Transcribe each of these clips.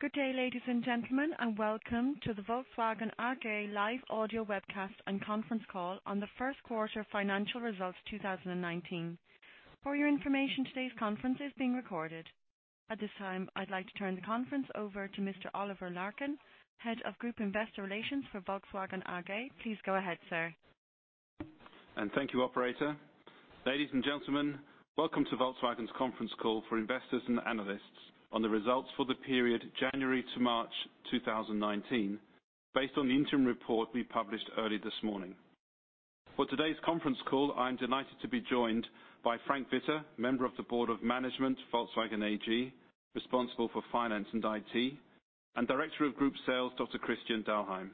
Good day, ladies and gentlemen, welcome to the Volkswagen AG live audio webcast and conference call on the first quarter financial results 2019. For your information, today's conference is being recorded. At this time, I'd like to turn the conference over to Mr. Oliver Larkin, Head of Group Investor Relations for Volkswagen AG. Please go ahead, sir. Thank you, operator. Ladies and gentlemen, welcome to Volkswagen's conference call for investors and analysts on the results for the period January to March 2019, based on the interim report we published early this morning. For today's conference call, I'm delighted to be joined by Frank Witter, Member of the Board of Management, Volkswagen AG, responsible for Finance and IT, and Director of Group Sales, Dr. Christian Dahlheim.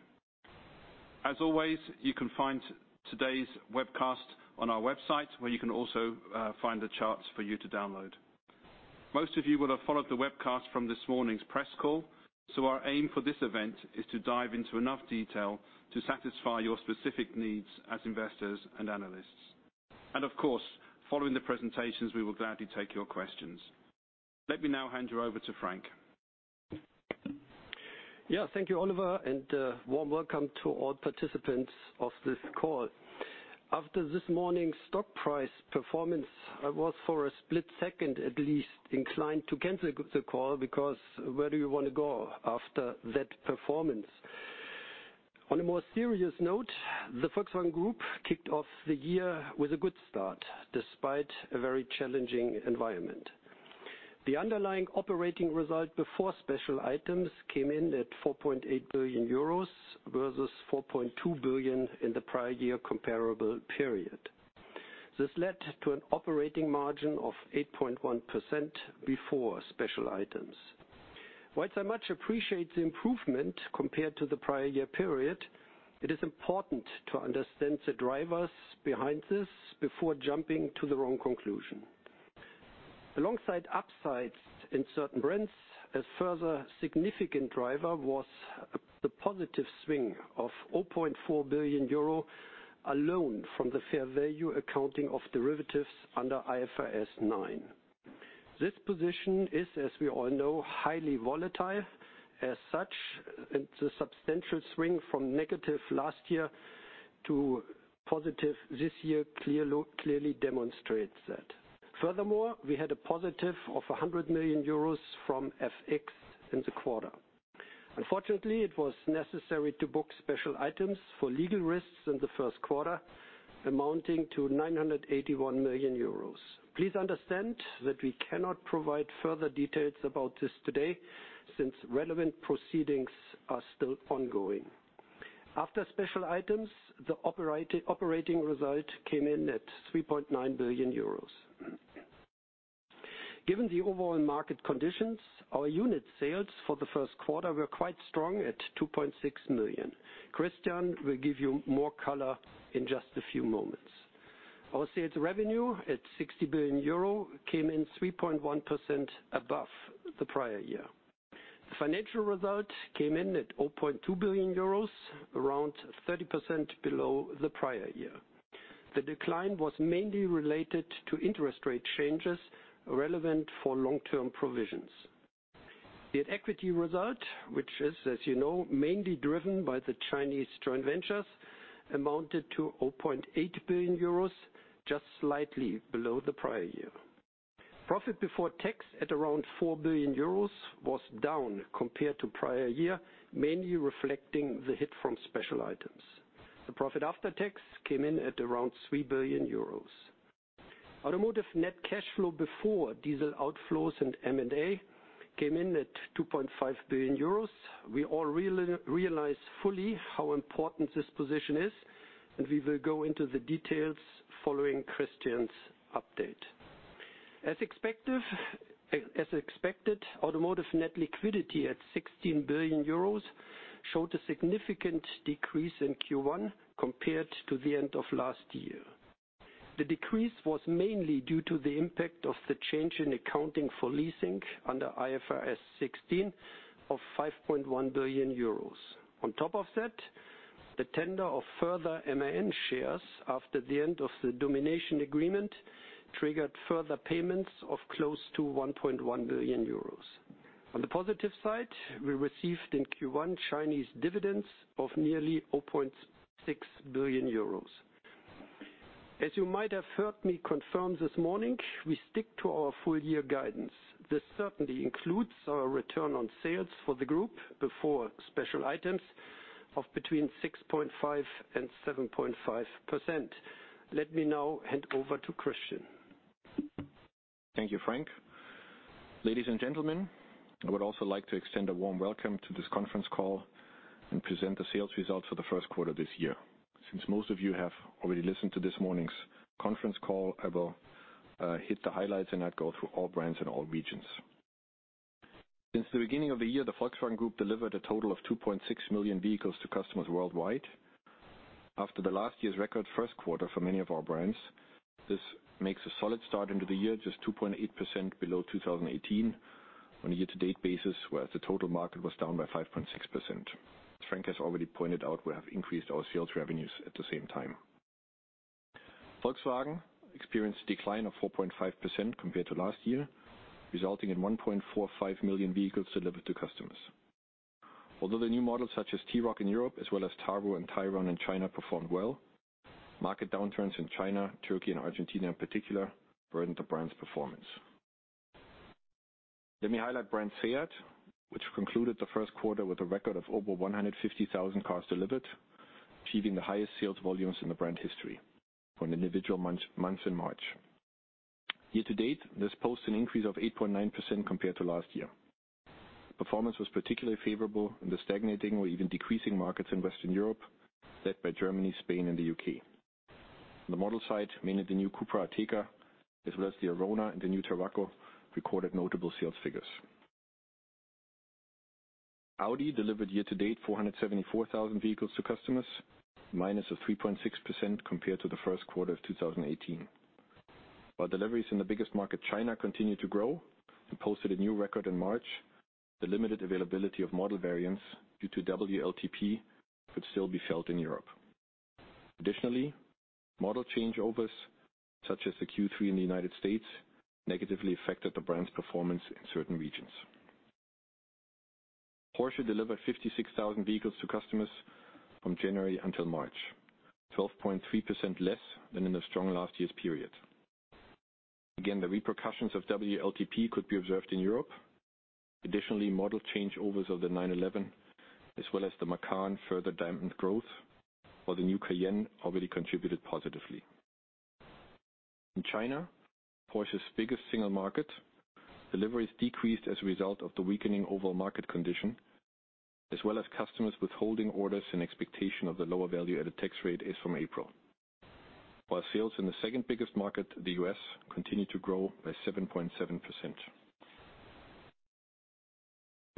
As always, you can find today's webcast on our website, where you can also find the charts for you to download. Most of you will have followed the webcast from this morning's press call, our aim for this event is to dive into enough detail to satisfy your specific needs as investors and analysts. Of course, following the presentations, we will gladly take your questions. Let me now hand you over to Frank. Thank you, Oliver, and a warm welcome to all participants of this call. After this morning's stock price performance, I was for a split second at least inclined to cancel the call because where do you want to go after that performance? On a more serious note, the Volkswagen Group kicked off the year with a good start, despite a very challenging environment. The underlying operating result before special items came in at 4.8 billion euros, versus 4.2 billion in the prior year comparable period. This led to an operating margin of 8.1% before special items. While I much appreciate the improvement compared to the prior year period, it is important to understand the drivers behind this before jumping to the wrong conclusion. Alongside upsides in certain brands, a further significant driver was the positive swing of 4.4 billion euro alone from the fair value accounting of derivatives under IFRS 9. This position is, as we all know, highly volatile. As such, it's a substantial swing from negative last year to positive this year clearly demonstrates that. Furthermore, we had a positive of 100 million euros from FX in the quarter. Unfortunately, it was necessary to book special items for legal risks in the first quarter, amounting to 981 million euros. Please understand that we cannot provide further details about this today, since relevant proceedings are still ongoing. After special items, the operating result came in at 3.9 billion euros. Given the overall market conditions, our unit sales for the first quarter were quite strong at 2.6 million. Christian will give you more color in just a few moments. Our sales revenue at 60 billion euro came in 3.1% above the prior year. The financial result came in at 4.2 billion euros, around 30% below the prior year. The decline was mainly related to interest rate changes relevant for long-term provisions. The equity result, which is, as you know, mainly driven by the Chinese joint ventures, amounted to 4.8 billion euros, just slightly below the prior year. Profit before tax at around 4 billion euros was down compared to prior year, mainly reflecting the hit from special items. The profit after tax came in at around 3 billion euros. Automotive net cash flow before diesel outflows and M&A came in at 2.5 billion euros. We all realize fully how important this position is, and we will go into the details following Christian's update. As expected, automotive net liquidity at 16 billion euros showed a significant decrease in Q1 compared to the end of last year. The decrease was mainly due to the impact of the change in accounting for leasing under IFRS 16 of 5.1 billion euros. On top of that, the tender of further MAN shares after the end of the domination agreement triggered further payments of close to 1.1 billion euros. On the positive side, we received in Q1 Chinese dividends of nearly 4.6 billion euros. As you might have heard me confirm this morning, we stick to our full year guidance. This certainly includes our return on sales for the group before special items of between 6.5% and 7.5%. Let me now hand over to Christian. Thank you, Frank. Ladies and gentlemen, I would also like to extend a warm welcome to this conference call and present the sales results for the first quarter this year. Since most of you have already listened to this morning's conference call, I will hit the highlights and not go through all brands and all regions. Since the beginning of the year, the Volkswagen Group delivered a total of 2.6 million vehicles to customers worldwide. After the last year's record first quarter for many of our brands, this makes a solid start into the year, just 2.8% below 2018 on a year-to-date basis where the total market was down by 5.6%. As Frank has already pointed out, we have increased our sales revenues at the same time. Volkswagen experienced a decline of 4.5% compared to last year, resulting in 1.45 million vehicles delivered to customers. Although the new models such as T-Roc in Europe, as well as Tayron in China performed well, market downturns in China, Turkey, and Argentina in particular burdened the brand's performance. Let me highlight brand SEAT, which concluded the first quarter with a record of over 150,000 cars delivered, achieving the highest sales volumes in the brand history for an individual month in March. Year to date, this posts an increase of 8.9% compared to last year. Performance was particularly favorable in the stagnating or even decreasing markets in Western Europe, led by Germany, Spain, and the U.K. On the model side, mainly the new Cupra Ateca, as well as the Arona and the new Tarraco recorded notable sales figures. Audi delivered year to date 474,000 vehicles to customers, -3.6% compared to the first quarter of 2018. While deliveries in the biggest market, China, continue to grow and posted a new record in March, the limited availability of model variants due to WLTP could still be felt in Europe. Additionally, model changeovers such as the Q3 in the U.S. negatively affected the brand's performance in certain regions. Porsche delivered 56,000 vehicles to customers from January until March, 12.3% less than in the strong last year's period. Again, the repercussions of WLTP could be observed in Europe. Additionally, model changeovers of the 911 as well as the Macan further dampened growth, while the new Cayenne already contributed positively. In China, Porsche's biggest single market, deliveries decreased as a result of the weakening overall market condition, as well as customers withholding orders in expectation of the lower value added tax rate as from April. While sales in the second biggest market, the U.S., continued to grow by 7.7%.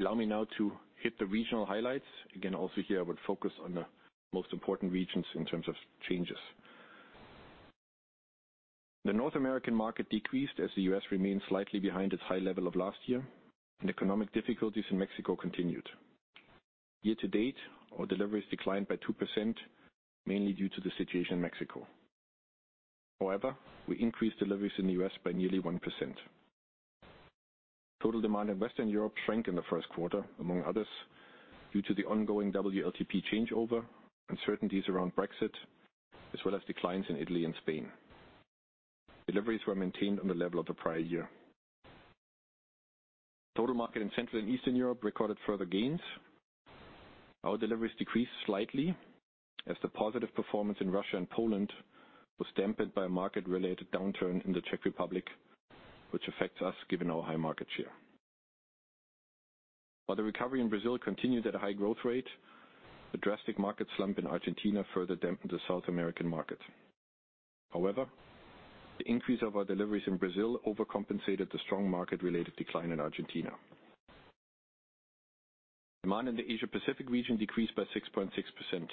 Allow me now to hit the regional highlights. Again, also here, I would focus on the most important regions in terms of changes. The North American market decreased as the U.S. remained slightly behind its high level of last year, and economic difficulties in Mexico continued. Year to date, our deliveries declined by 2%, mainly due to the situation in Mexico. However, we increased deliveries in the U.S. by nearly 1%. Total demand in Western Europe shrank in the first quarter, among others, due to the ongoing WLTP changeover, uncertainties around Brexit, as well as declines in Italy and Spain. Deliveries were maintained on the level of the prior year. Total market in Central and Eastern Europe recorded further gains. Our deliveries decreased slightly as the positive performance in Russia and Poland was dampened by a market-related downturn in the Czech Republic, which affects us given our high market share. While the recovery in Brazil continued at a high growth rate, the drastic market slump in Argentina further dampened the South American market. However, the increase of our deliveries in Brazil overcompensated the strong market-related decline in Argentina. Demand in the Asia-Pacific region decreased by 6.6%.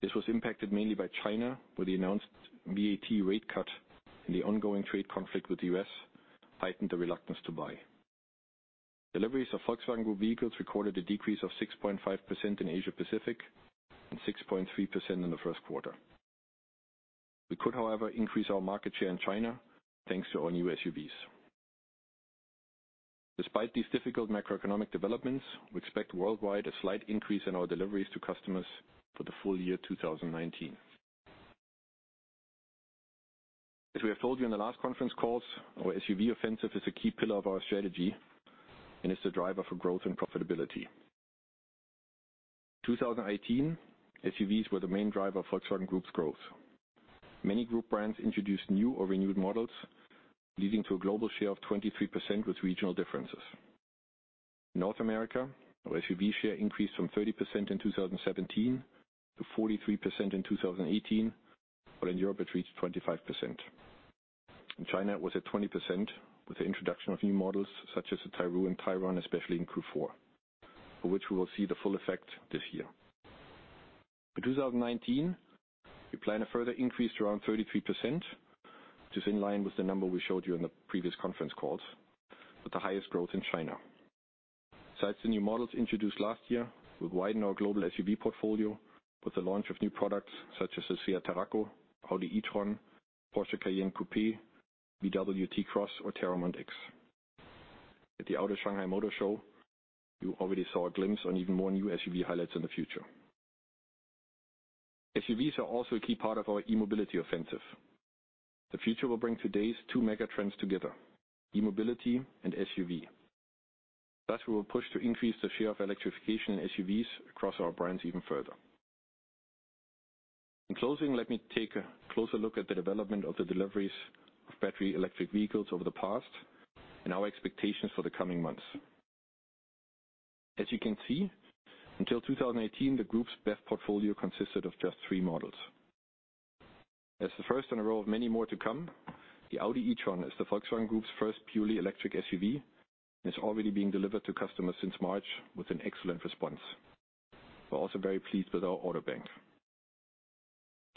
This was impacted mainly by China, where the announced VAT rate cut and the ongoing trade conflict with the U.S. heightened the reluctance to buy. Deliveries of Volkswagen Group vehicles recorded a decrease of 6.5% in Asia-Pacific and 6.3% in the first quarter. We could, however, increase our market share in China, thanks to our new SUVs. Despite these difficult macroeconomic developments, we expect worldwide a slight increase in our deliveries to customers for the full year 2019. As we have told you in the last conference calls, our SUV offensive is a key pillar of our strategy and is the driver for growth and profitability. 2018, SUVs were the main driver of Volkswagen Group's growth. Many group brands introduced new or renewed models, leading to a global share of 23% with regional differences. In North America, our SUV share increased from 30% in 2017 to 43% in 2018, while in Europe it reached 25%. In China, it was at 20% with the introduction of new models such as the Tayron, especially in Q4, for which we will see the full effect this year. In 2019, we plan a further increase to around 33%, which is in line with the number we showed you in the previous conference calls, with the highest growth in China. Besides the new models introduced last year, we widen our global SUV portfolio with the launch of new products such as the SEAT Tarraco, Audi e-tron, Porsche Cayenne Coupe, VW T-Cross or Teramont X. At the Auto Shanghai Motor Show, you already saw a glimpse on even more new SUV highlights in the future. SUVs are also a key part of our e-mobility offensive. The future will bring today's two mega trends together, e-mobility and SUV. Thus, we will push to increase the share of electrification in SUVs across our brands even further. In closing, let me take a closer look at the development of the deliveries of battery electric vehicles over the past and our expectations for the coming months. As you can see, until 2018, the group's BEV portfolio consisted of just three models. As the first in a row of many more to come, the Audi e-tron is the Volkswagen Group's first purely electric SUV, and it's already being delivered to customers since March with an excellent response. We're also very pleased with our order bank.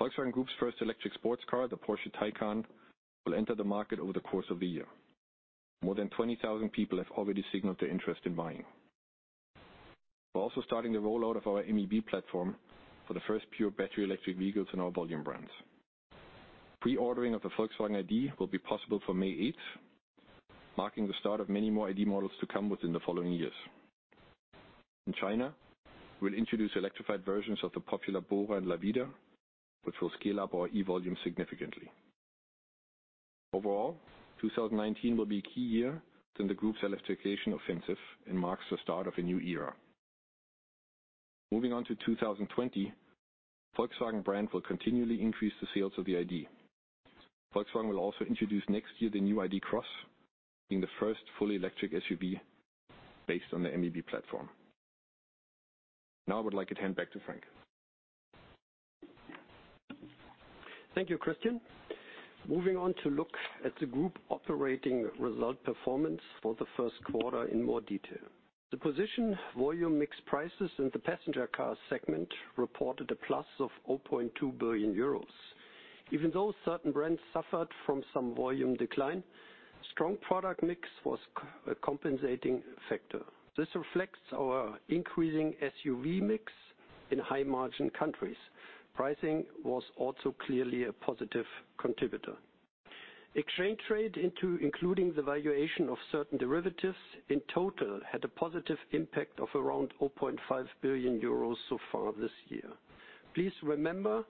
Volkswagen Group's first electric sports car, the Porsche Taycan, will enter the market over the course of the year. More than 20,000 people have already signaled their interest in buying. We're also starting the rollout of our MEB platform for the first pure battery electric vehicles in our volume brands. Pre-ordering of the Volkswagen ID will be possible from May 8th, marking the start of many more ID models to come within the following years. In China, we'll introduce electrified versions of the popular Bora and Lavida, which will scale up our E volume significantly. Overall, 2019 will be a key year in the group's electrification offensive and marks the start of a new era. Moving on to 2020, Volkswagen brand will continually increase the sales of the ID. Volkswagen will also introduce next year the new ID. CROZZ, being the first fully electric SUV based on the MEB platform. Now I would like to hand back to Frank. Thank you, Christian. Moving on to look at the group operating result performance for the first quarter in more detail. The position volume mix prices in the passenger car segment reported a plus of 0.2 billion euros. Even though certain brands suffered from some volume decline, strong product mix was a compensating factor. This reflects our increasing SUV mix in high-margin countries. Pricing was also clearly a positive contributor. Exchange rate including the valuation of certain derivatives in total had a positive impact of around 0.5 billion euros so far this year. Please remember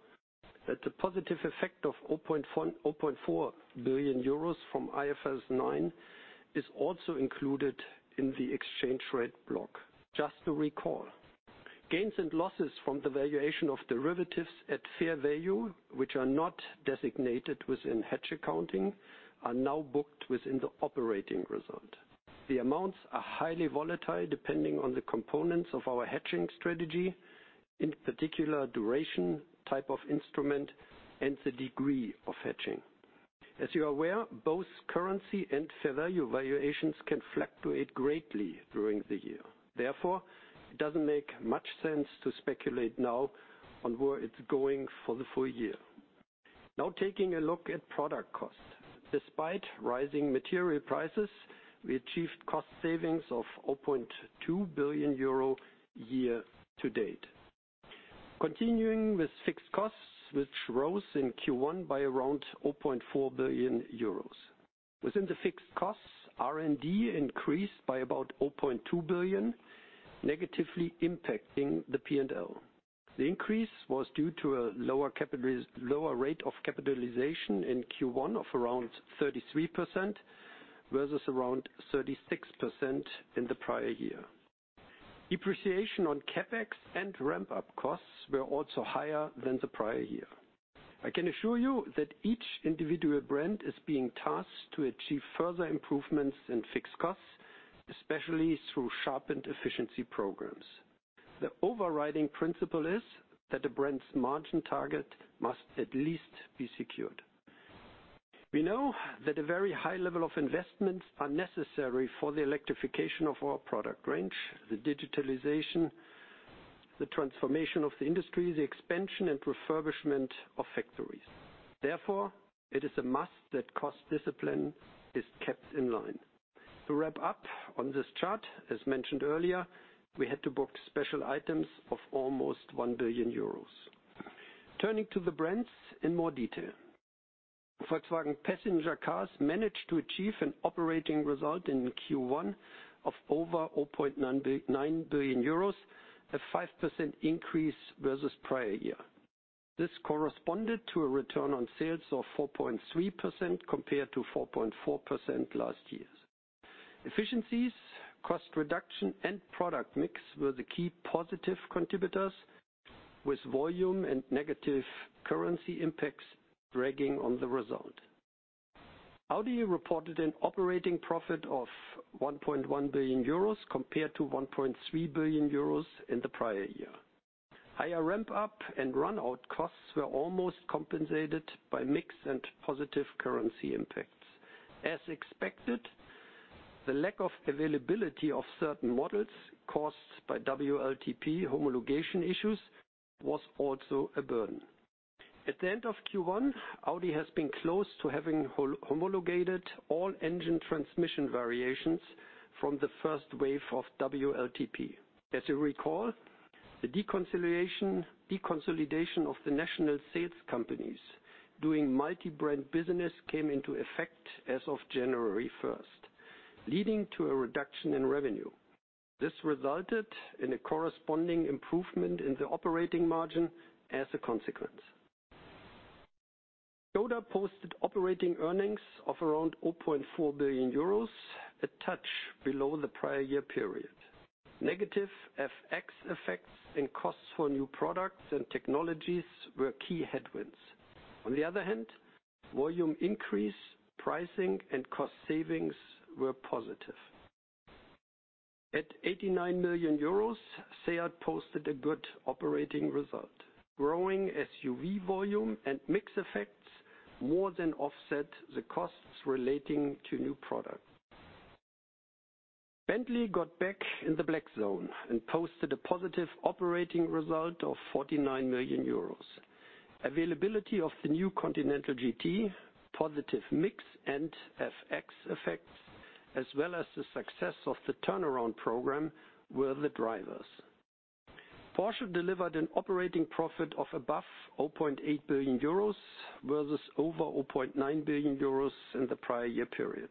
that the positive effect of 0.4 billion euros from IFRS 9 is also included in the exchange rate block. Just to recall, gains and losses from the valuation of derivatives at fair value, which are not designated within hedge accounting, are now booked within the operating result. The amounts are highly volatile depending on the components of our hedging strategy, in particular duration, type of instrument, and the degree of hedging. As you are aware, both currency and fair value valuations can fluctuate greatly during the year. It doesn't make much sense to speculate now on where it's going for the full year. Now taking a look at product costs. Despite rising material prices, we achieved cost savings of 0.2 billion euro year to date. Continuing with fixed costs, which rose in Q1 by around 0.4 billion euros. Within the fixed costs, R&D increased by about 0.2 billion, negatively impacting the P&L. The increase was due to a lower rate of capitalization in Q1 of around 33%, versus around 36% in the prior year. Depreciation on CapEx and ramp-up costs were also higher than the prior year. I can assure you that each individual brand is being tasked to achieve further improvements in fixed costs, especially through sharpened efficiency programs. The overriding principle is that the brand's margin target must at least be secured. We know that a very high level of investments are necessary for the electrification of our product range, the digitalization, the transformation of the industry, the expansion and refurbishment of factories. It is a must that cost discipline is kept in line. To wrap up on this chart, as mentioned earlier, we had to book special items of almost 1 billion euros. Turning to the brands in more detail. Volkswagen Passenger Cars managed to achieve an operating result in Q1 of over 0.9 billion euros, a 5% increase versus prior year. This corresponded to a return on sales of 4.3% compared to 4.4% last year. Efficiencies, cost reduction, and product mix were the key positive contributors, with volume and negative currency impacts dragging on the result. Audi reported an operating profit of 1.1 billion euros compared to 1.3 billion euros in the prior year. Higher ramp-up and run-out costs were almost compensated by mix and positive currency impacts. As expected, the lack of availability of certain models caused by WLTP homologation issues was also a burden. At the end of Q1, Audi has been close to having homologated all engine transmission variations from the first wave of WLTP. As you recall, the deconsolidation of the national sales companies doing multi-brand business came into effect as of January 1st, leading to a reduction in revenue. This resulted in a corresponding improvement in the operating margin as a consequence. Škoda posted operating earnings of around 0.4 billion euros, a touch below the prior year period. Negative FX effects and costs for new products and technologies were key headwinds. On the other hand, volume increase, pricing, and cost savings were positive. At 89 million euros, SEAT posted a good operating result. Growing SUV volume and mix effects more than offset the costs relating to new product. Bentley got back in the black zone and posted a positive operating result of 49 million euros. Availability of the new Continental GT, positive mix and FX effects, as well as the success of the turnaround program were the drivers. Porsche delivered an operating profit of above 0.8 billion euros, versus over 0.9 billion euros in the prior year period.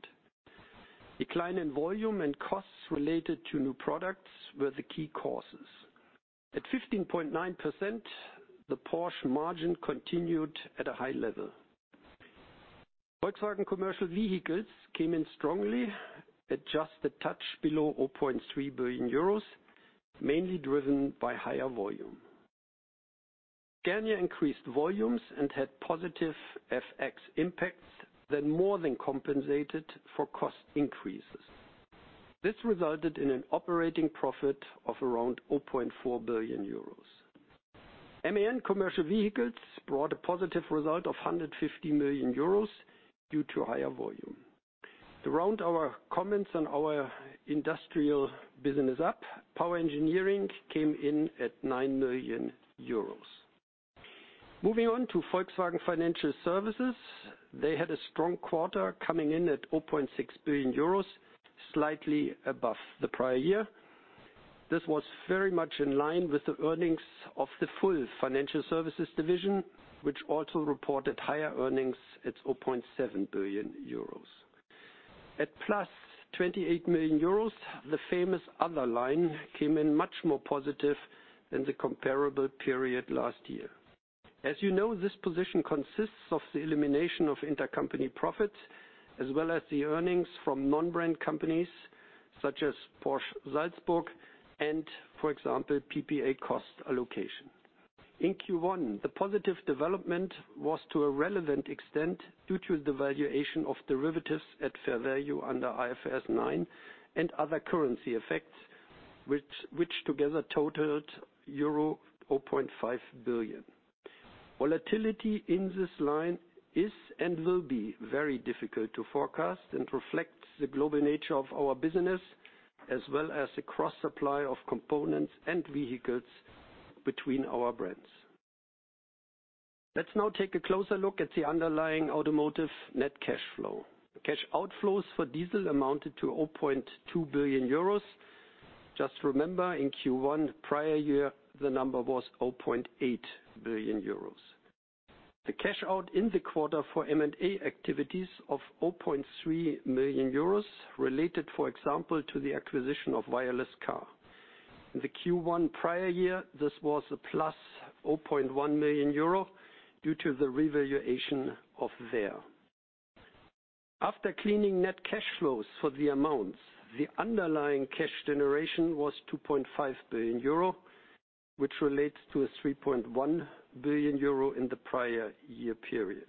Decline in volume and costs related to new products were the key causes. At 15.9%, the Porsche margin continued at a high level. Volkswagen Commercial Vehicles came in strongly at just a touch below 0.3 billion euros, mainly driven by higher volume. Scania increased volumes and had positive FX impacts that more than compensated for cost increases. This resulted in an operating profit of around 0.4 billion euros. MAN Commercial Vehicles brought a positive result of 150 million euros due to higher volume. To round our comments on our industrial business up, Power Engineering came in at 9 million euros. Moving on to Volkswagen Financial Services, they had a strong quarter coming in at 0.6 billion euros, slightly above the prior year. This was very much in line with the earnings of the full financial services division, which also reported higher earnings at 0.7 billion euros. At +28 million euros, the famous other line came in much more positive than the comparable period last year. As you know, this position consists of the elimination of intercompany profits, as well as the earnings from non-brand companies such as Porsche Salzburg and, for example, PPA cost allocation. In Q1, the positive development was to a relevant extent due to the valuation of derivatives at fair value under IFRS 9 and other currency effects, which together totaled euro 0.5 billion. Volatility in this line is and will be very difficult to forecast and reflect the global nature of our business, as well as the cross-supply of components and vehicles between our brands. Let's now take a closer look at the underlying automotive net cash flow. Cash outflows for diesel amounted to 0.2 billion euros. Just remember, in Q1 prior year, the number was 0.8 billion euros. The cash out in the quarter for M&A activities of 0.3 million euros related, for example, to the acquisition of WirelessCar. In the Q1 prior year, this was a +0.1 million euro due to the revaluation of there. After cleaning net cash flows for the amounts, the underlying cash generation was 2.5 billion euro, which relates to 3.1 billion euro in the prior year period.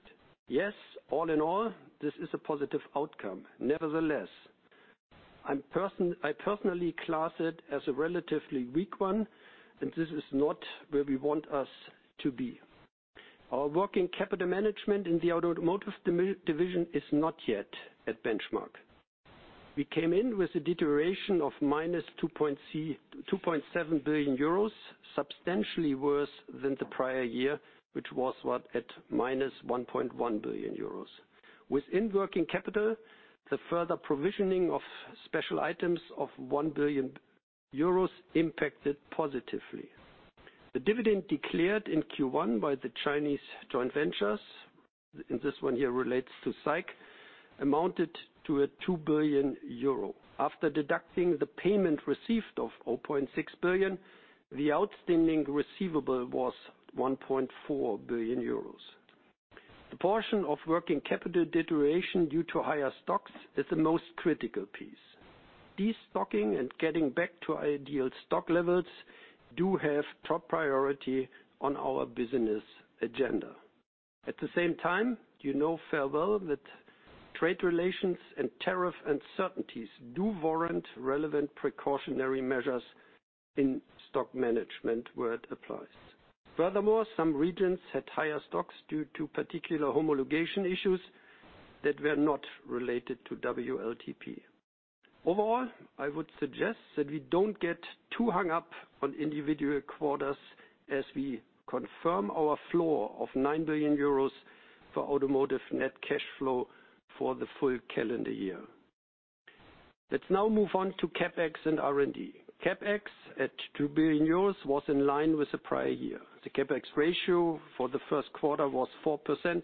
All in all, this is a positive outcome. Nevertheless, I personally class it as a relatively weak one. This is not where we want us to be. Our working capital management in the automotive division is not yet at benchmark. We came in with a deterioration of -2.7 billion euros, substantially worse than the prior year, which was what at -1.1 billion euros. Within working capital, the further provisioning of special items of 1 billion euros impacted positively. The dividend declared in Q1 by the Chinese joint ventures. This one here relates to SAIC, amounted to 2 billion euro. After deducting the payment received of 0.6 billion, the outstanding receivable was 1.4 billion euros. The portion of working capital deterioration due to higher stocks is the most critical piece. Destocking and getting back to ideal stock levels do have top priority on our business agenda. At the same time, you know very well that trade relations and tariff uncertainties do warrant relevant precautionary measures in stock management where it applies. Furthermore, some regions had higher stocks due to particular homologation issues that were not related to WLTP. Overall, I would suggest that we don't get too hung up on individual quarters as we confirm our flow of 9 billion euros for automotive net cash flow for the full calendar year. Let's now move on to CapEx and R&D. CapEx at 2 billion euros was in line with the prior year. The CapEx ratio for the first quarter was 4%,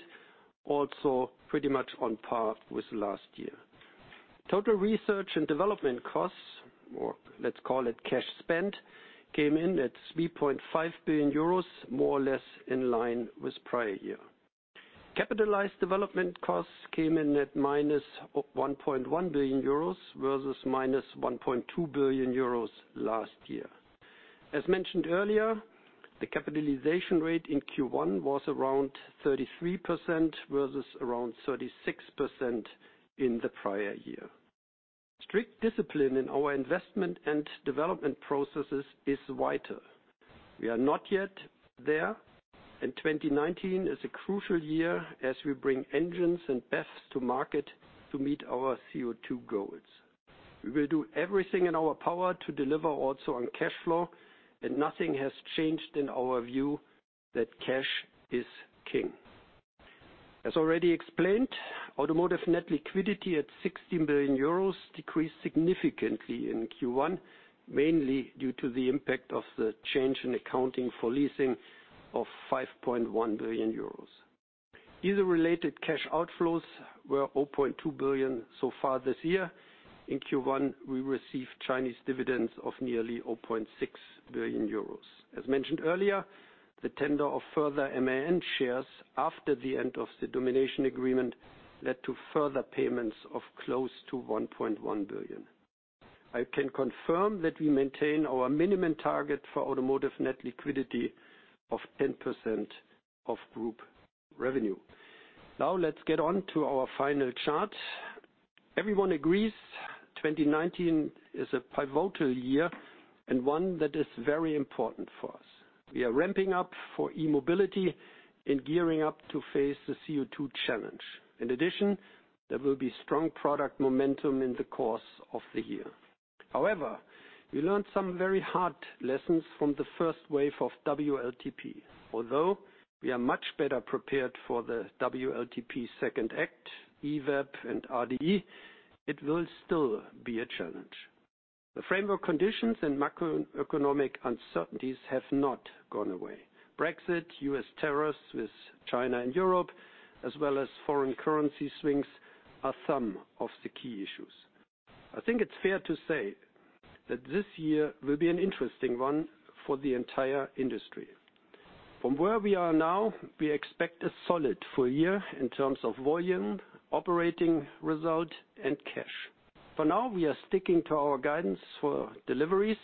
also pretty much on par with last year. Total research and development costs, or let's call it cash spend, came in at 3.5 billion euros, more or less in line with prior year. Capitalized development costs came in at minus 1.1 billion euros versus minus 1.2 billion euros last year. As mentioned earlier, the capitalization rate in Q1 was around 33%, versus around 36% in the prior year. Strict discipline in our investment and development processes is vital. We are not yet there, 2019 is a crucial year as we bring engines and BEVs to market to meet our CO2 goals. We will do everything in our power to deliver also on cash flow. Nothing has changed in our view that cash is king. As already explained, automotive net liquidity at 16 billion euros decreased significantly in Q1, mainly due to the impact of the change in accounting for leasing of 5.1 billion euros. Other related cash outflows were 0.2 billion so far this year. In Q1, we received Chinese dividends of nearly 0.6 billion euros. As mentioned earlier, the tender of further MAN shares after the end of the domination agreement led to further payments of close to 1.1 billion. I can confirm that we maintain our minimum target for automotive net liquidity of 10% of group revenue. Let's get on to our final chart. Everyone agrees 2019 is a pivotal year and one that is very important for us. We are ramping up for e-mobility and gearing up to face the CO2 challenge. In addition, there will be strong product momentum in the course of the year. However, we learned some very hard lessons from the first wave of WLTP. Although we are much better prepared for the WLTP second act, EVAP and RDE, it will still be a challenge. The framework conditions and macroeconomic uncertainties have not gone away. Brexit, U.S. tariffs with China and Europe, as well as foreign currency swings are some of the key issues. I think it's fair to say that this year will be an interesting one for the entire industry. From where we are now, we expect a solid full year in terms of volume, operating result, and cash. For now, we are sticking to our guidance for deliveries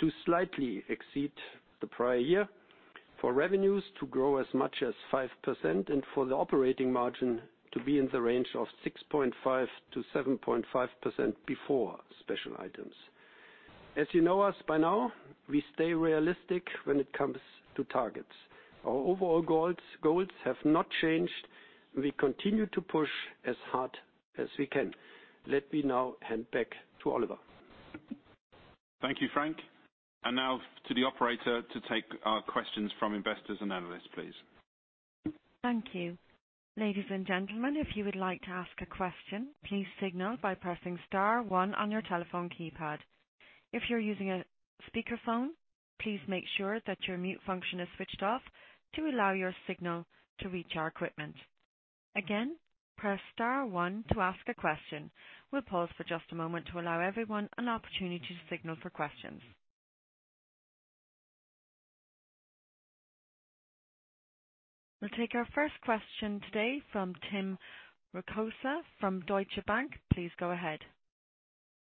to slightly exceed the prior year, for revenues to grow as much as 5%, and for the operating margin to be in the range of 6.5%-7.5% before special items. As you know us by now, we stay realistic when it comes to targets. Our overall goals have not changed. We continue to push as hard as we can. Let me now hand back to Oliver. Thank you, Frank. Now to the operator to take our questions from investors and analysts, please. Thank you. Ladies and gentlemen, if you would like to ask a question, please signal by pressing star one on your telephone keypad. If you're using a speakerphone, please make sure that your mute function is switched off to allow your signal to reach our equipment. Again, press star one to ask a question. We'll pause for just a moment to allow everyone an opportunity to signal for questions. We'll take our first question today from Tim Rokossa from Deutsche Bank. Please go ahead.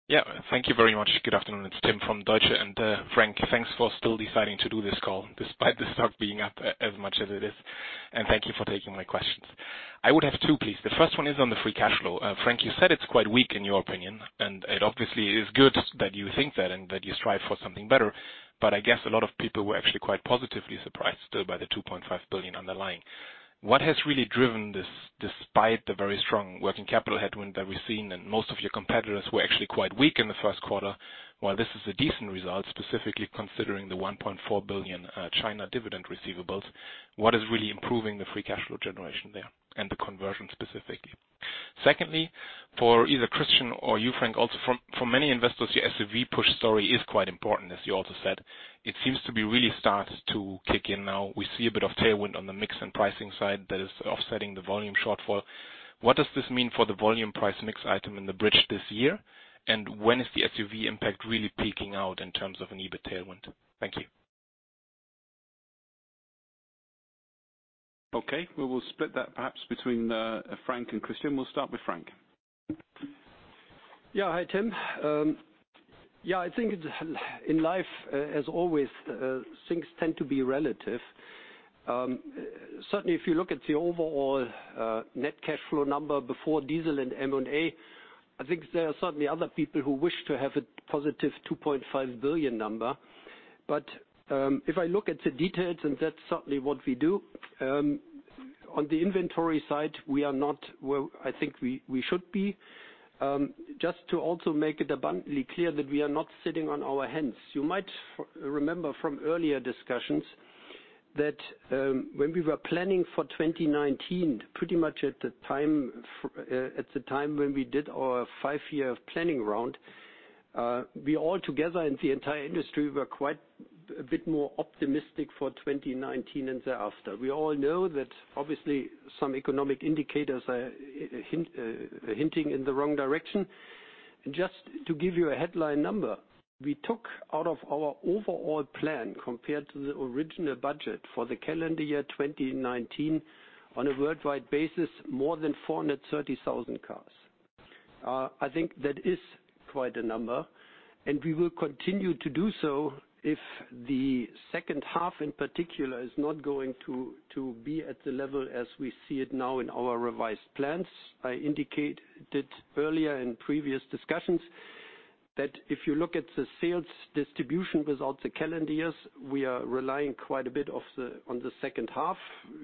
Yeah, thank you very much. Good afternoon. It's Tim from Deutsche. Frank, thanks for still deciding to do this call despite the stock being up as much as it is, thank you for taking my questions. I would have two, please. The first one is on the free cash flow. Frank, you said it's quite weak in your opinion, it obviously is good that you think that and that you strive for something better, but I guess a lot of people were actually quite positively surprised by the 2.5 billion underlying. What has really driven this despite the very strong working capital headwind that we've seen, most of your competitors were actually quite weak in the first quarter, while this is a decent result, specifically considering the 1.4 billion China dividend receivables. What is really improving the free cash flow generation HERE and the conversion specifically? Secondly, for either Christian or you, Frank, also for many investors, your SUV push story is quite important as you also said. It seems to be really starting to kick in now. We see a bit of tailwind on the mix and pricing side that is offsetting the volume shortfall. What does this mean for the volume price mix item in the bridge this year? When is the SUV impact really peaking out in terms of an EBIT tailwind? Thank you. Okay. We will split that perhaps between Frank and Christian. We'll start with Frank. Yeah. Hi, Tim. I think in life as always, things tend to be relative. Certainly, if you look at the overall net cash flow number before diesel and M&A, I think there are certainly other people who wish to have a positive 2.5 billion number. If I look at the details, and that's certainly what we do, on the inventory side, we are not where I think we should be. Just to also make it abundantly clear that we are not sitting on our hands. You might remember from earlier discussions that when we were planning for 2019, pretty much at the time when we did our five-year planning round, we all together in the entire industry were quite a bit more optimistic for 2019 and thereafter. We all know that obviously some economic indicators are hinting in the wrong direction. Just to give you a headline number, we took out of our overall plan compared to the original budget for the calendar year 2019 on a worldwide basis, more than 430,000 cars. I think that is quite a number, and we will continue to do so if the second half in particular is not going to be at the level as we see it now in our revised plans. I indicated earlier in previous discussions that if you look at the sales distribution without the calendar years, we are relying quite a bit on the second half.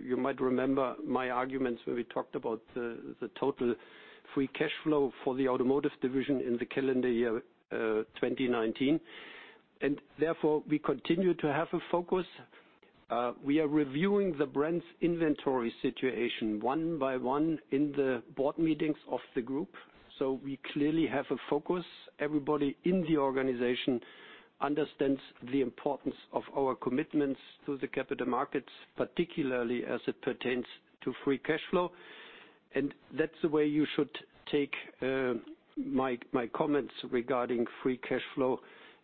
You might remember my arguments when we talked about the total free cash flow for the automotive division in the calendar year 2019. Therefore, we continue to have a focus. We are reviewing the brand's inventory situation one by one in the board meetings of the group. We clearly have a focus. Everybody in the organization understands the importance of our commitments to the capital markets, particularly as it pertains to free cash flow. That's the way you should take my comments regarding free cash flow.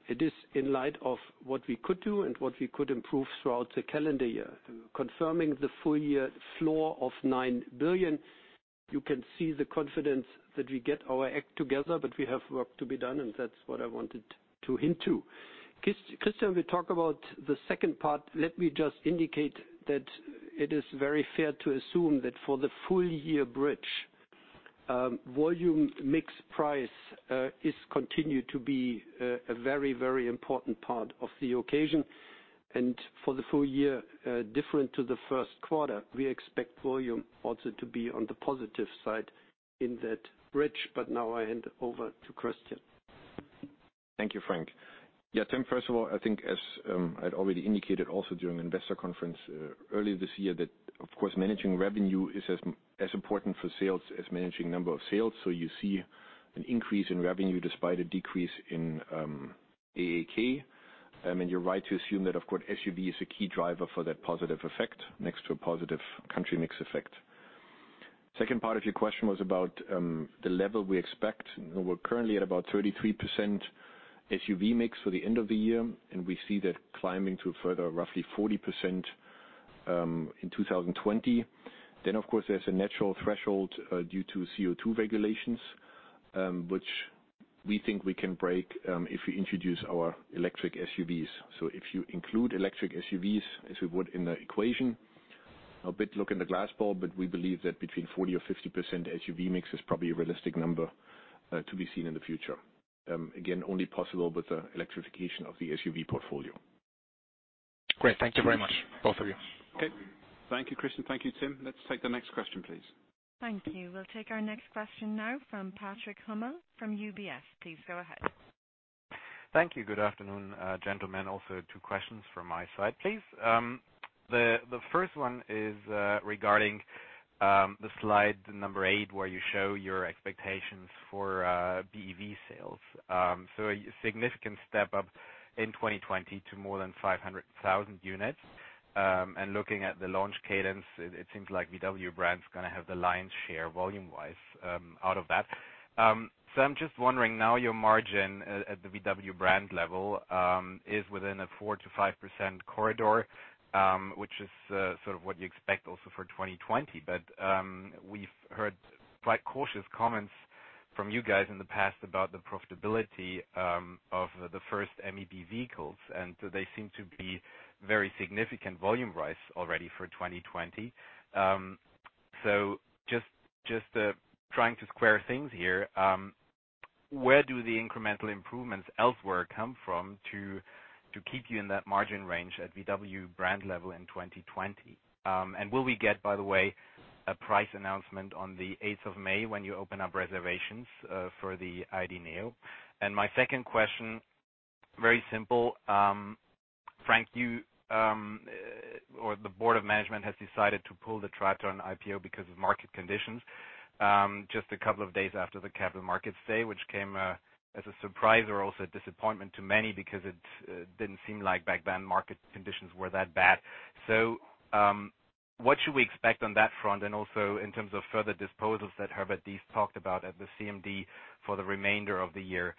It is in light of what we could do and what we could improve throughout the calendar year. Confirming the full-year flow of 9 billion, you can see the confidence that we get our act together, but we have work to be done, and that's what I wanted to hint to. Christian will talk about the second part. Let me just indicate that it is very fair to assume that for the full-year bridge, volume mix price is continued to be a very important part of the occasion. For the full year, different to the first quarter, we expect volume also to be on the positive side in that bridge. Now I hand over to Christian. Thank you, Frank. Tim, first of all, I think as I'd already indicated also during investor conference earlier this year, that of course, managing revenue is as important for sales as managing number of sales. You see an increase in revenue despite a decrease in AAK. You're right to assume that, of course, SUV is a key driver for that positive effect next to a positive country mix effect. Second part of your question was about the level we expect. We're currently at about 33% SUV mix for the end of the year, and we see that climbing to a further roughly 40% in 2020. Of course, here's a natural threshold due to CO2 regulations, which we think we can break if we introduce our electric SUVs. If you include electric SUVs as we would in the equation, a bit look in the glass ball, but we believe that between 40% or 50% SUV mix is probably a realistic number to be seen in the future. Again, only possible with the electrification of the SUV portfolio. Great. Thank you very much, both of you. Okay. Thank you, Christian. Thank you, Tim. Let's take the next question, please. Thank you. We'll take our next question now from Patrick Hummel from UBS. Please go ahead. Thank you. Good afternoon, gentlemen. Two questions from my side, please. The first one is regarding the slide number eight, where you show your expectations for BEV sales. A significant step up in 2020 to more than 500,000 units. Looking at the launch cadence, it seems like VW brand is going to have the lion's share volume-wise out of that. I'm just wondering now your margin at the VW brand level is within a 4%-5% corridor, which is sort of what you expect also for 2020. We've heard quite cautious comments from you guys in the past about the profitability of the first MEB vehicles, and they seem to be very significant volume rise already for 2020. Just trying to square things here. Where do the incremental improvements elsewhere come from to keep you in that margin range at VW brand level in 2020? Will we get, by the way, a price announcement on the 8th of May when you open up reservations for the ID.3? My second question, very simple. Frank, the board of management has decided to pull the Traton IPO because of market conditions just a couple of days after the Capital Markets Day, which came as a surprise or also a disappointment to many because it didn't seem like back then market conditions were that bad. What should we expect on that front? Also in terms of further disposals that Herbert Diess talked about at the CMD for the remainder of the year.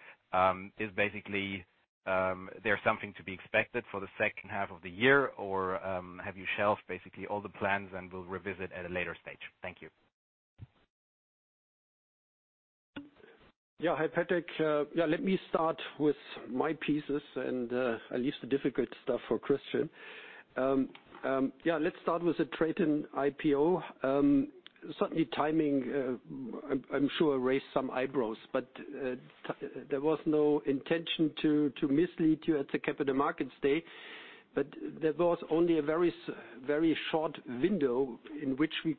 Is basically HERE something to be expected for the second half of the year, or have you shelved basically all the plans and will revisit at a later stage? Thank you. Hi, Patrick. Let me start with my pieces and I leave the difficult stuff for Christian. Let's start with the Traton IPO. Certainly timing, I am sure raised some eyebrows, here was no intention to mislead you at the Capital Markets Day, here was only a very short window in which we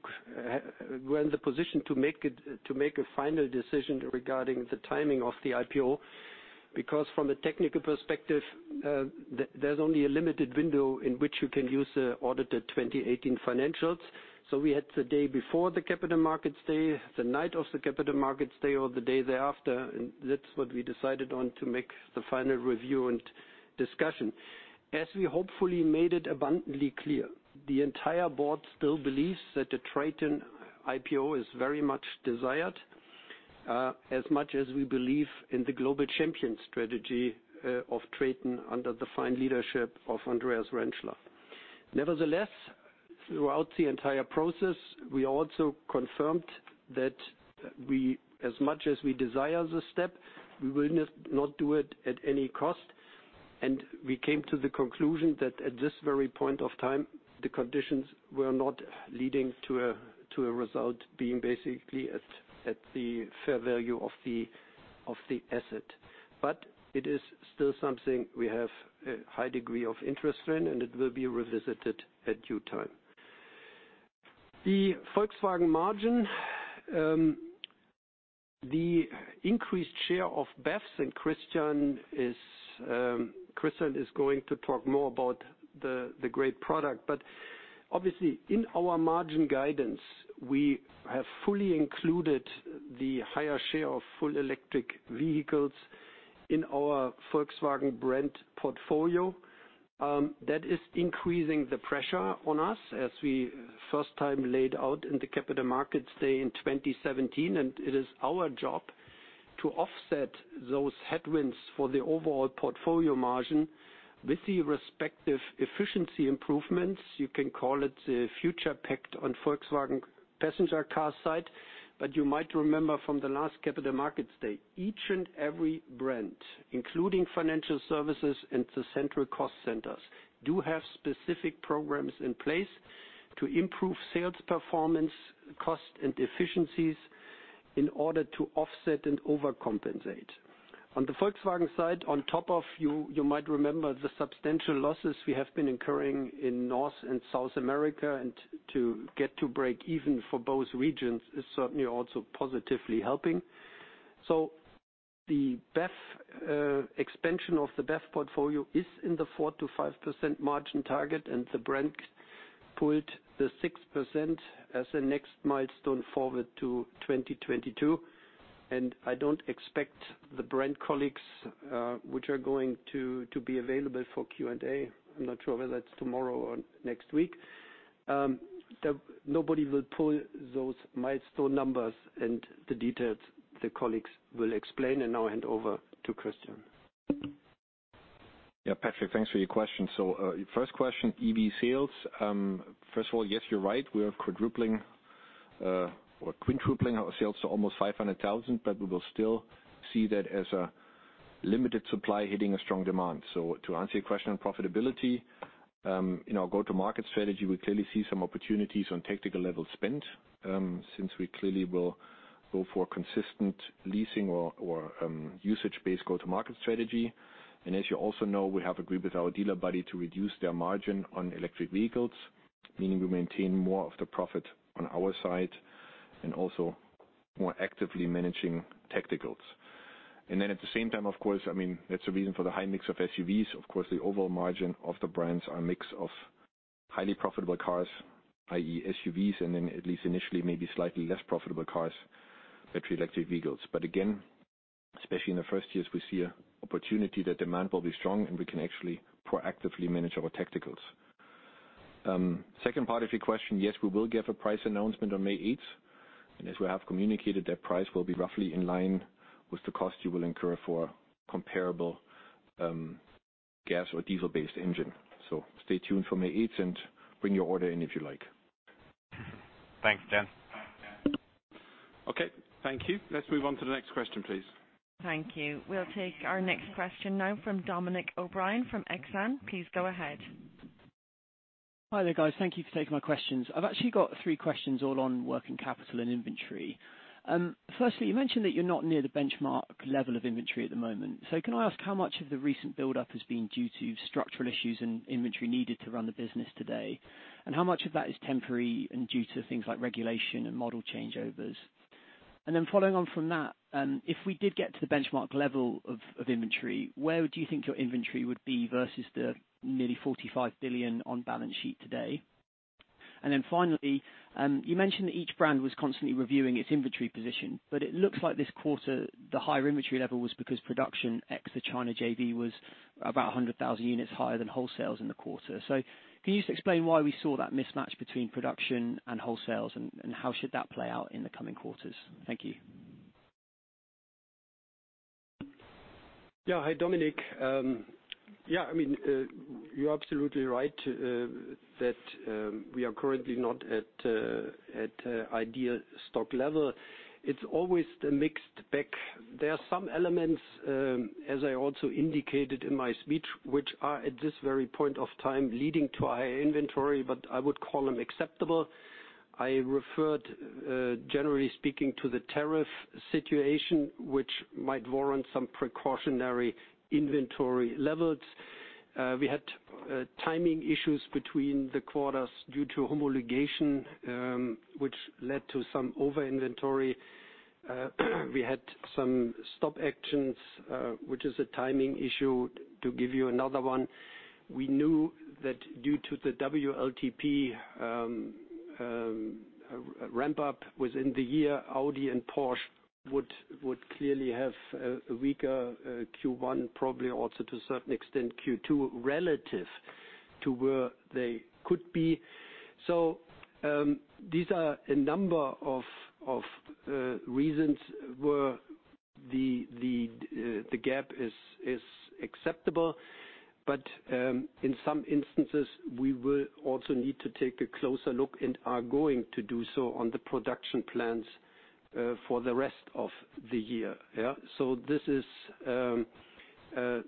were in the position to make a final decision regarding the timing of the IPO, because from a technical perspective, here's only a limited window in which you can use the audited 2018 financials. We had the day before the Capital Markets Day, the night of the Capital Markets Day or the day thereafter, and that's what we decided on to make the final review and discussion. As we hopefully made it abundantly clear, the entire board still believes that the Traton IPO is very much desired, as much as we believe in the global champion strategy of Traton under the fine leadership of Andreas Renschler. Nevertheless, throughout the entire process, we also confirmed that as much as we desire the step, we will not do it at any cost. We came to the conclusion that at this very point of time, the conditions were not leading to a result being basically at the fair value of the asset. It is still something we have a high degree of interest in, and it will be revisited at due time. The Volkswagen margin, the increased share of BEVs, and Christian is going to talk more about the great product. Obviously, in our margin guidance, we have fully included the higher share of full electric vehicles in our Volkswagen brand portfolio. That is increasing the pressure on us as we first time laid out in the Capital Markets Day in 2017, it is our job to offset those headwinds for the overall portfolio margin with the respective efficiency improvements. You can call it the future pact on Volkswagen Passenger Cars side, you might remember from the last Capital Markets Day, each and every brand, including Volkswagen Financial Services and the central cost centers, do have specific programs in place to improve sales performance, cost, and efficiencies in order to offset and overcompensate. On the Volkswagen side, on top of, you might remember, the substantial losses we have been incurring in North and South America, to get to break even for both regions is certainly also positively helping. The expansion of the BEV portfolio is in the 4%-5% margin target, and the brand pulled the 6% as a next milestone forward to 2022. I don't expect the brand colleagues, which are going to be available for Q&A, I'm not sure whether it's tomorrow or next week, nobody will pull those milestone numbers and the details the colleagues will explain. Now I hand over to Christian. Yeah, Patrick, thanks for your question. First question, EV sales. First of all, yes, you're right. We are quadrupling or quintupling our sales to almost 500,000, but we will still see that as a limited supply hitting a strong demand. To answer your question on profitability, in our go-to-market strategy, we clearly see some opportunities on tactical level spend, since we clearly will go for consistent leasing or usage-based go-to-market strategy. As you also know, we have agreed with our dealer buddy to reduce their margin on electric vehicles, meaning we maintain more of the profit on our side and also more actively managing tacticals. At the same time, of course, that's the reason for the high mix of SUVs. Of course, the overall margin of the brands are a mix of highly profitable cars, i.e., SUVs, and then at least initially, maybe slightly less profitable cars, battery electric vehicles. Again, especially in the first years, we see an opportunity that demand will be strong, and we can actually proactively manage our tacticals. Second part of your question, yes, we will give a price announcement on May 8th, and as we have communicated, that price will be roughly in line with the cost you will incur for comparable gas or diesel-based engine. Stay tuned for May 8th and bring your order in if you like. Thanks, Jen. Okay, thank you. Let's move on to the next question, please. Thank you. We'll take our next question now from Dominic O'Brien from Exane. Please go ahead. Hi, there, guys. Thank you for taking my questions. I've actually got three questions all on working capital and inventory. Firstly, you mentioned that you're not near the benchmark level of inventory at the moment. Can I ask how much of the recent buildup has been due to structural issues and inventory needed to run the business today? How much of that is temporary and due to things like regulation and model changeovers? Following on from that, if we did get to the benchmark level of inventory, where do you think your inventory would be versus the nearly 45 billion on balance sheet today? Finally, you mentioned that each brand was constantly reviewing its inventory position, but it looks like this quarter, the higher inventory level was because production ex the China JV was about 100,000 units higher than wholesales in the quarter. Can you just explain why we saw that mismatch between production and wholesales, and how should that play out in the coming quarters? Thank you. Hi, Dominic. You're absolutely right that we are currently not at ideal stock level. It's always the mixed bag. There are some elements, as I also indicated in my speech, which are at this very point of time leading to a higher inventory, but I would call them acceptable. I referred, generally speaking, to the tariff situation, which might warrant some precautionary inventory levels. We had timing issues between the quarters due to homologation, which led to some over-inventory. We had some stop actions, which is a timing issue to give you another one. We knew that due to the WLTP ramp up within the year, Audi and Porsche would clearly have a weaker Q1, probably also to a certain extent Q2, relative to where they could be. These are a number of reasons where the gap is acceptable. In some instances, we will also need to take a closer look and are going to do so on the production plans for the rest of the year. This is the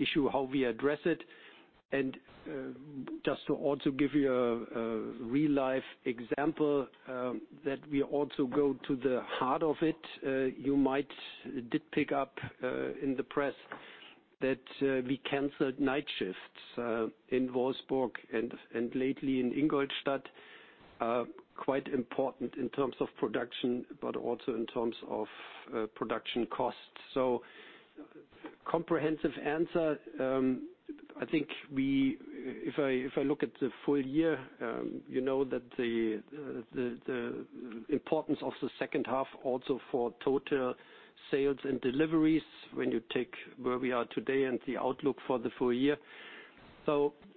issue, how we address it. Just to also give you a real-life example that we also go to the heart of it, you might did pick up in the press that we canceled night shifts in Wolfsburg and lately in Ingolstadt, quite important in terms of production, but also in terms of production costs. Comprehensive answer, I think if I look at the full year, you know that the importance of the second half also for total sales and deliveries when you take where we are today and the outlook for the full year.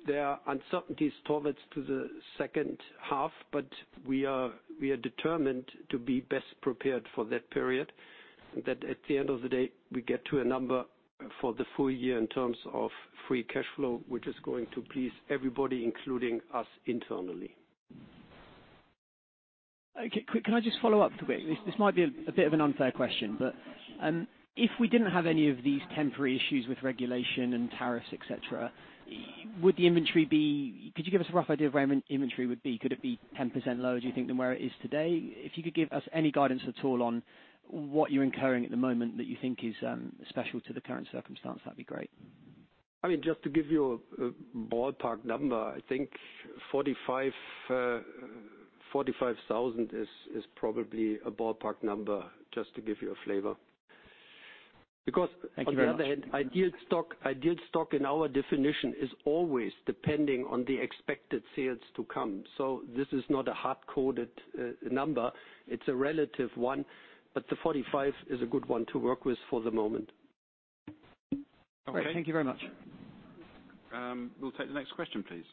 Here are uncertainties towards to the second half, but we are determined to be best prepared for that period, that at the end of the day, we get to a number for the full year in terms of free cash flow, which is going to please everybody, including us internally. Okay. Can I just follow up quickly? This might be a bit of an unfair question, but if we didn't have any of these temporary issues with regulation and tariffs, et cetera, could you give us a rough idea of where inventory would be? Could it be 10% lower, do you think, than where it is today? If you could give us any guidance at all on what you're incurring at the moment that you think is special to the current circumstance, that'd be great. Just to give you a ballpark number, I think 45,000 is probably a ballpark number just to give you a flavor. Thank you very much on the other hand, ideal stock in our definition is always depending on the expected sales to come. This is not a hard-coded number, it's a relative one, the 45 is a good one to work with for the moment. Okay, thank you very much. We'll take the next question, please.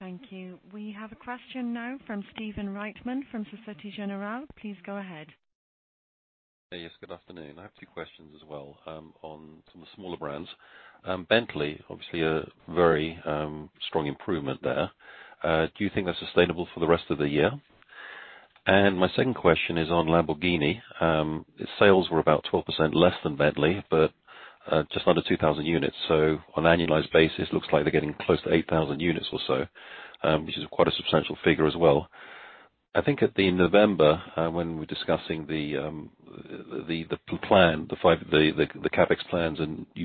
Thank you. We have a question now from Stephen Reitman from Societe Generale. Please go ahead. Yes, good afternoon. I have two questions as well on some of the smaller brands. Bentley, obviously a very strong improvement HERE. Do you think that's sustainable for the rest of the year? My second question is on Lamborghini. Its sales were about 12% less than Bentley, but just under 2,000 units. So on an annualized basis, looks like they're getting close to 8,000 units or so, which is quite a substantial figure as well. You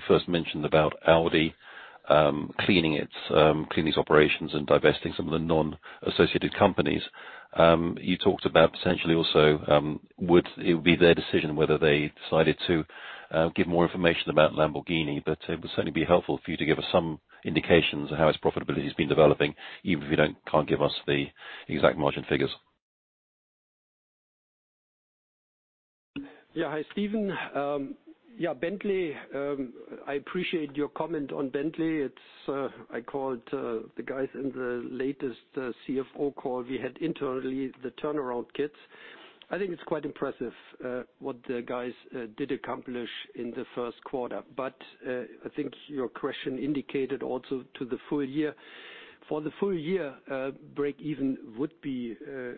first mentioned about Audi cleaning its operations and divesting some of the non-associated companies. You talked about potentially also, it would be their decision whether they decided to give more information about Lamborghini, but it would certainly be helpful for you to give us some indications of how its profitability has been developing, even if you can't give us the exact margin figures. Yeah. Hi, Stephen. I appreciate your comment on Bentley. I called the guys in the latest CFO call we had internally, the turnaround kids. I think it's quite impressive what the guys did accomplish in the first quarter. I think your question indicated also to the full year. For the full year, breakeven would be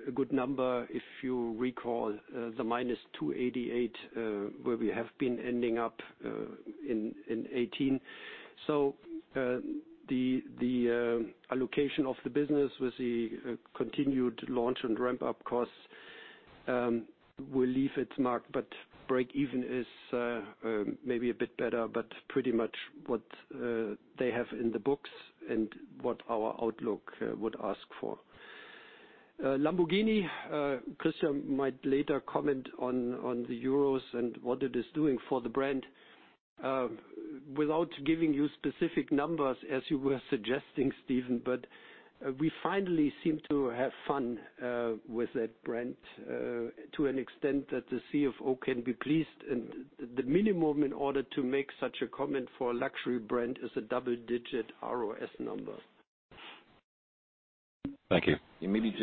a good number if you recall the minus 288, where we have been ending up in 2018. The allocation of the business with the continued launch and ramp-up costs will leave its mark, but breakeven is maybe a bit better, but pretty much what they have in the books and what our outlook would ask for. Lamborghini, Christian might later comment on the Urus and what it is doing for the brand. Without giving you specific numbers as you were suggesting, Stephen, we finally seem to have fun with that brand to an extent that the CFO can be pleased. The minimum in order to make such a comment for a luxury brand is a double-digit ROS number. Thank you. Maybe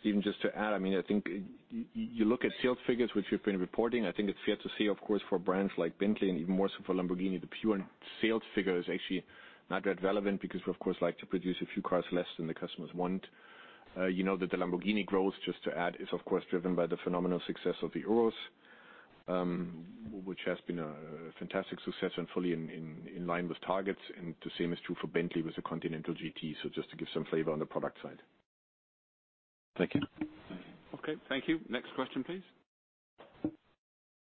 Stephen, just to add, I think you look at sales figures, which we've been reporting. I think it's fair to say, of course, for brands like Bentley and even more so for Lamborghini, the pure sales figure is actually not that relevant because we of course like to produce a few cars less than the customers want. You know that the Lamborghini growth, just to add, is of course driven by the phenomenal success of the Urus, which has been a fantastic success and fully in line with targets. The same is true for Bentley with the Continental GT. Just to give some flavor on the product side. Thank you. Okay. Thank you. Next question, please.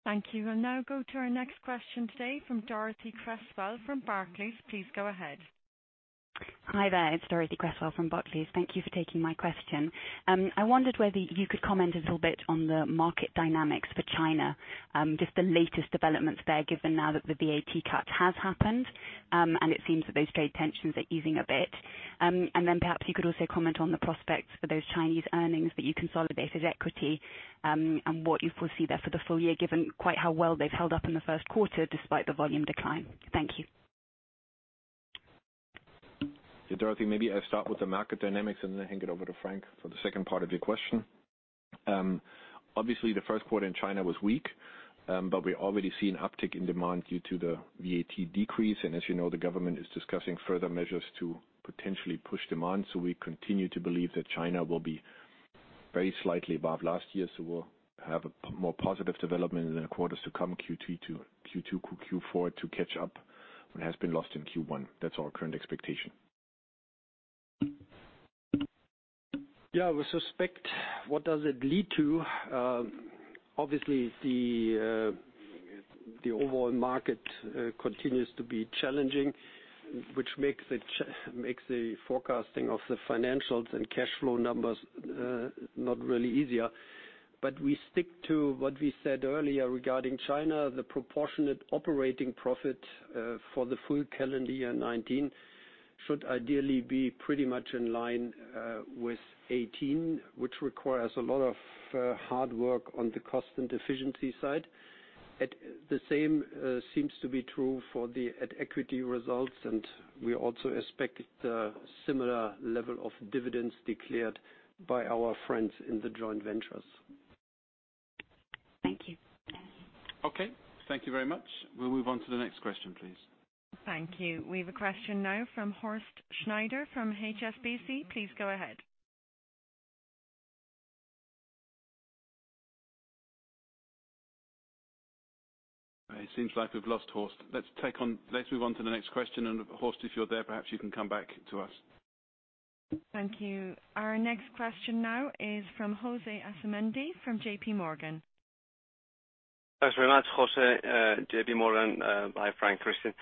Thank you. We will now go to our next question today from Dorothee Cresswell from Barclays. Please go ahead. Hi, it's Dorothee Cresswell from Barclays. Thank you for taking my question. I wondered whether you could comment a little bit on the market dynamics for China, just the latest developments here, given now that the VAT cut has happened, and it seems that those trade tensions are easing a bit. Then perhaps you could also comment on the prospects for those Chinese earnings that you consolidated equity, and what you foresee here for the full year, given quite how well they've held up in the first quarter despite the volume decline. Thank you. Dorothee, maybe I'll start with the market dynamics and then hand it over to Frank for the second part of your question. Obviously, the first quarter in China was weak. We already see an uptick in demand due to the VAT decrease. As you know, the government is discussing further measures to potentially push demand. We continue to believe that China will be very slightly above last year, so we'll have a more positive development in the quarters to come, Q2 to Q4 to catch up what has been lost in Q1. That's our current expectation. Yeah, we suspect what does it lead to. Obviously, the overall market continues to be challenging, which makes the forecasting of the financials and cash flow numbers not really easier. We stick to what we said earlier regarding China. The proportionate operating profit for the full calendar year 2019 should ideally be pretty much in line with 2018, which requires a lot of hard work on the cost and efficiency side. The same seems to be true for the at-equity results, and we also expect a similar level of dividends declared by our friends in the joint ventures. Thank you. Okay. Thank you very much. We'll move on to the next question, please. Thank you. We have a question now from Horst Schneider from HSBC. Please go ahead. It seems like we've lost Horst. Let's move on to the next question. Horst, if you're here, perhaps you can come back to us. Thank you. Our next question now is from Jose Asumendi from J.P. Morgan. Thanks very much, Jose, J.P. Morgan. Hi, Frank, Christian.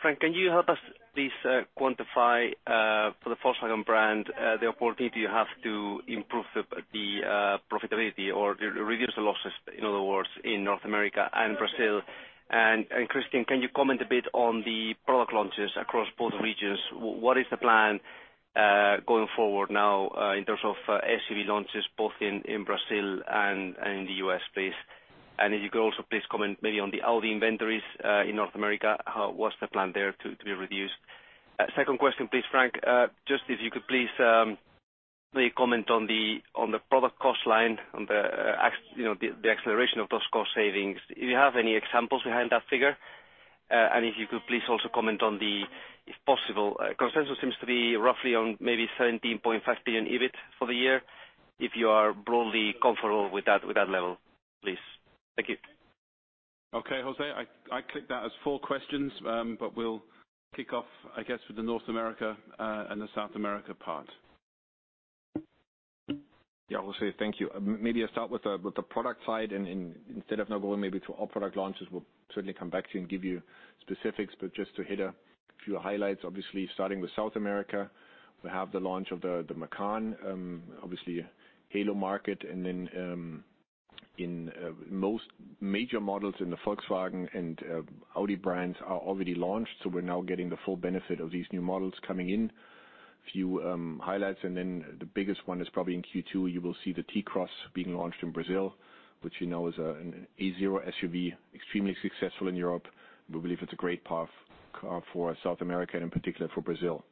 Frank, can you help us please quantify for the Volkswagen brand, the opportunity you have to improve the profitability or reduce the losses, in other words, in North America and Brazil? Christian, can you comment a bit on the product launches across both regions? What is the plan going forward now in terms of SUV launches both in Brazil and in the U.S., please? If you could also please comment maybe on the Audi inventories in North America. What's the plan here to do reviews? Second question, please, Frank, just if you could please comment on the product cost line, on the acceleration of those cost savings. Do you have any examples behind that figure? If you could please also comment on the, if possible, consensus seems to be roughly on maybe 17.5 billion EBIT for the year. If you are broadly comfortable with that level, please. Thank you. Okay, José, I take that as 4 questions, we'll kick off, I guess, with the North America and the South America part. José, thank you. Maybe I start with the product side, instead of now going maybe to all product launches, we'll certainly come back to you and give you specifics. Just to hit a few highlights, obviously starting with South America, we have the launch of the Macan, obviously halo market, then in most major models in the Volkswagen and Audi brands are already launched. We're now getting the full benefit of these new models coming in. A few highlights, then the biggest one is probably in Q2, you will see the T-Cross being launched in Brazil, which you know is an A0 SUV, extremely successful in Europe. We believe it's a great path for South America and in particular for Brazil.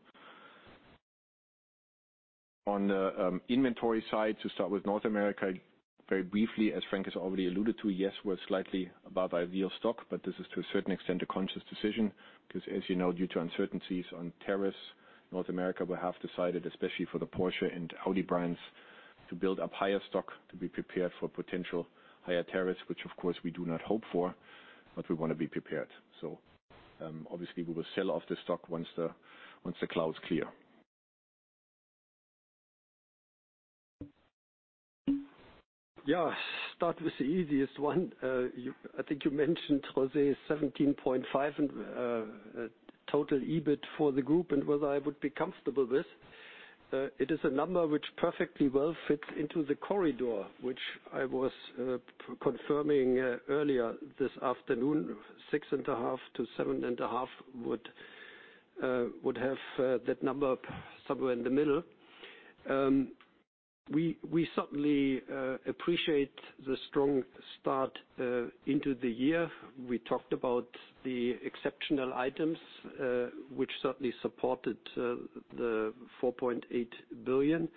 On the inventory side, to start with North America, very briefly, as Frank has already alluded to, yes, we're slightly above ideal stock, this is to a certain extent a conscious decision because as you know, due to uncertainties on tariffs, North America will have decided, especially for the Porsche and Audi brands, to build up higher stock to be prepared for potential higher tariffs, which of course we do not hope for, we want to be prepared. Obviously we will sell off the stock once the clouds clear. Yeah. Start with the easiest one. I think you mentioned, Jose, 17.5 in total EBIT for the group and whether I would be comfortable with. It is a number which perfectly well fits into the corridor, which I was confirming earlier this afternoon, 6.5%-7.5% would have that number somewhere in the middle. We certainly appreciate the strong start into the year. We talked about the exceptional items, which certainly supported the 4.8 billion.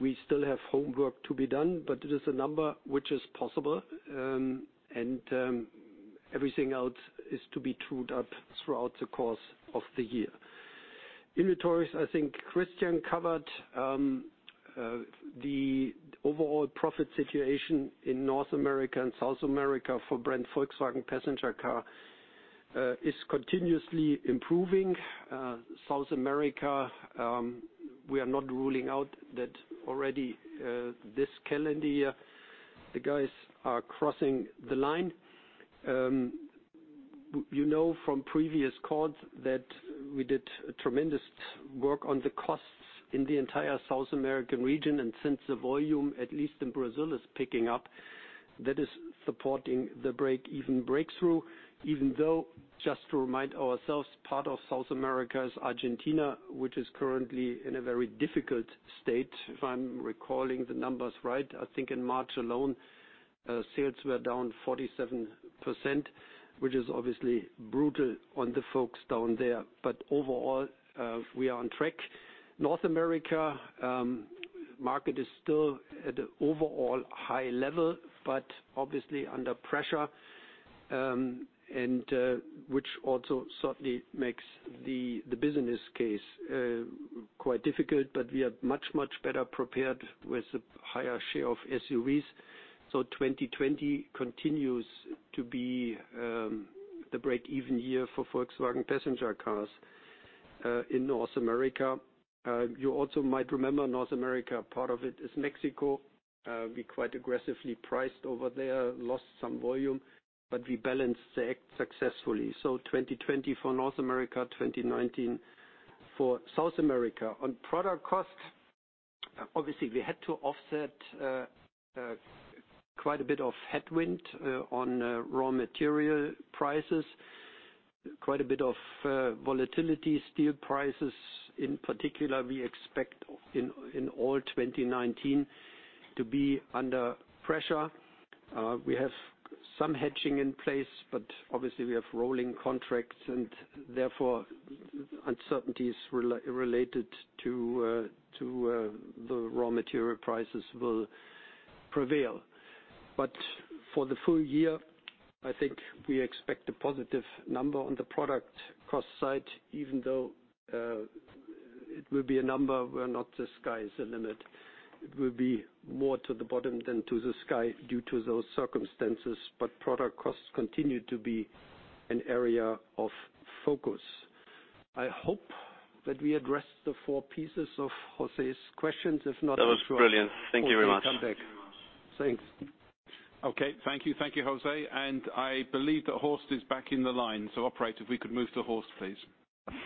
We still have homework to be done, but it is a number which is possible. Everything else is to be trued up throughout the course of the year. Inventories, I think Christian covered the overall profit situation in North America and South America for brand Volkswagen Passenger Cars is continuously improving. South America, we are not ruling out that already this calendar year the guys are crossing the line. You know from previous calls that we did tremendous work on the costs in the entire South American region, since the volume, at least in Brazil, is picking up, that is supporting the breakeven breakthrough. Even though, just to remind ourselves, part of South America is Argentina, which is currently in a very difficult state. If I'm recalling the numbers right, I think in March alone sales were down 47%, which is obviously brutal on the folks down here. Overall, we are on track. North America market is still at an overall high level, but obviously under pressure, which also certainly makes the business case quite difficult, but we are much, much better prepared with a higher share of SUVs. 2020 continues to be the break-even year for Volkswagen Passenger Cars in North America. You also might remember North America, part of it is Mexico. We quite aggressively priced over here, lost some volume, but we balanced successfully. 2020 for North America, 2019 for South America. On product costs, obviously we had to offset quite a bit of headwind on raw material prices, quite a bit of volatility, steel prices in particular, we expect in all 2019 to be under pressure. We have some hedging in place, obviously we have rolling contracts and therefore uncertainties related to the raw material prices will prevail. For the full year, I think we expect a positive number on the product cost side, even though it will be a number where not the sky is the limit. It will be more to the bottom than to the sky due to those circumstances, product costs continue to be an area of focus. I hope that we addressed the four pieces of Jose's questions. If not. That was brilliant. Thank you very much I'm sure Jose come back. Thanks. Okay. Thank you, Jose. I believe that Horst is back in the line. Operator, if we could move to Horst, please.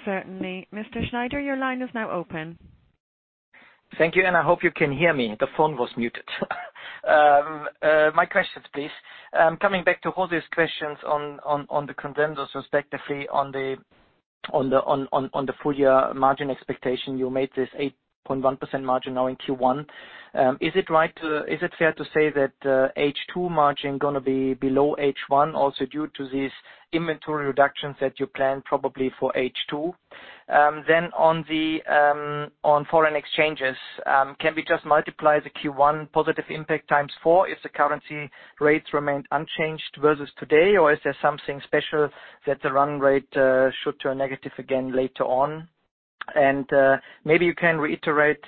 Certainly. Mr. Schneider, your line is now open. Thank you. I hope you can hear me. The phone was muted. My questions, please. Coming back to Jose's questions on the consensus respectively on the full year margin expectation, you made this 8.1% margin now in Q1. Is it fair to say that H2 margin going to be below H1 also due to these inventory reductions that you plan probably for H2? On foreign exchanges, can we just multiply the Q1 positive impact times four if the currency rates remain unchanged versus today, or is HERE something special that the run rate should turn negative again later on? Maybe you can reiterate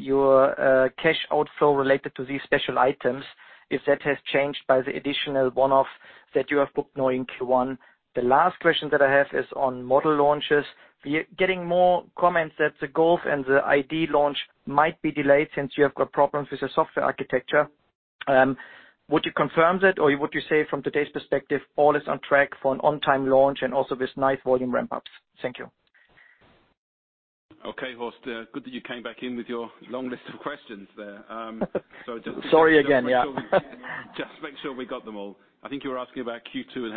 your cash outflow related to these special items, if that has changed by the additional one-off that you have booked now in Q1. The last question that I have is on model launches. We are getting more comments that the Golf and the ID. launch might be delayed since you have got problems with the software architecture. Would you confirm that or would you say from today's perspective, all is on track for an on-time launch and also this nice volume ramp-ups? Thank you. Okay, Horst, good that you came back in with your long list of questions HERE. Sorry again, yeah. Just make sure we got them all. I think you were asking about Q2 and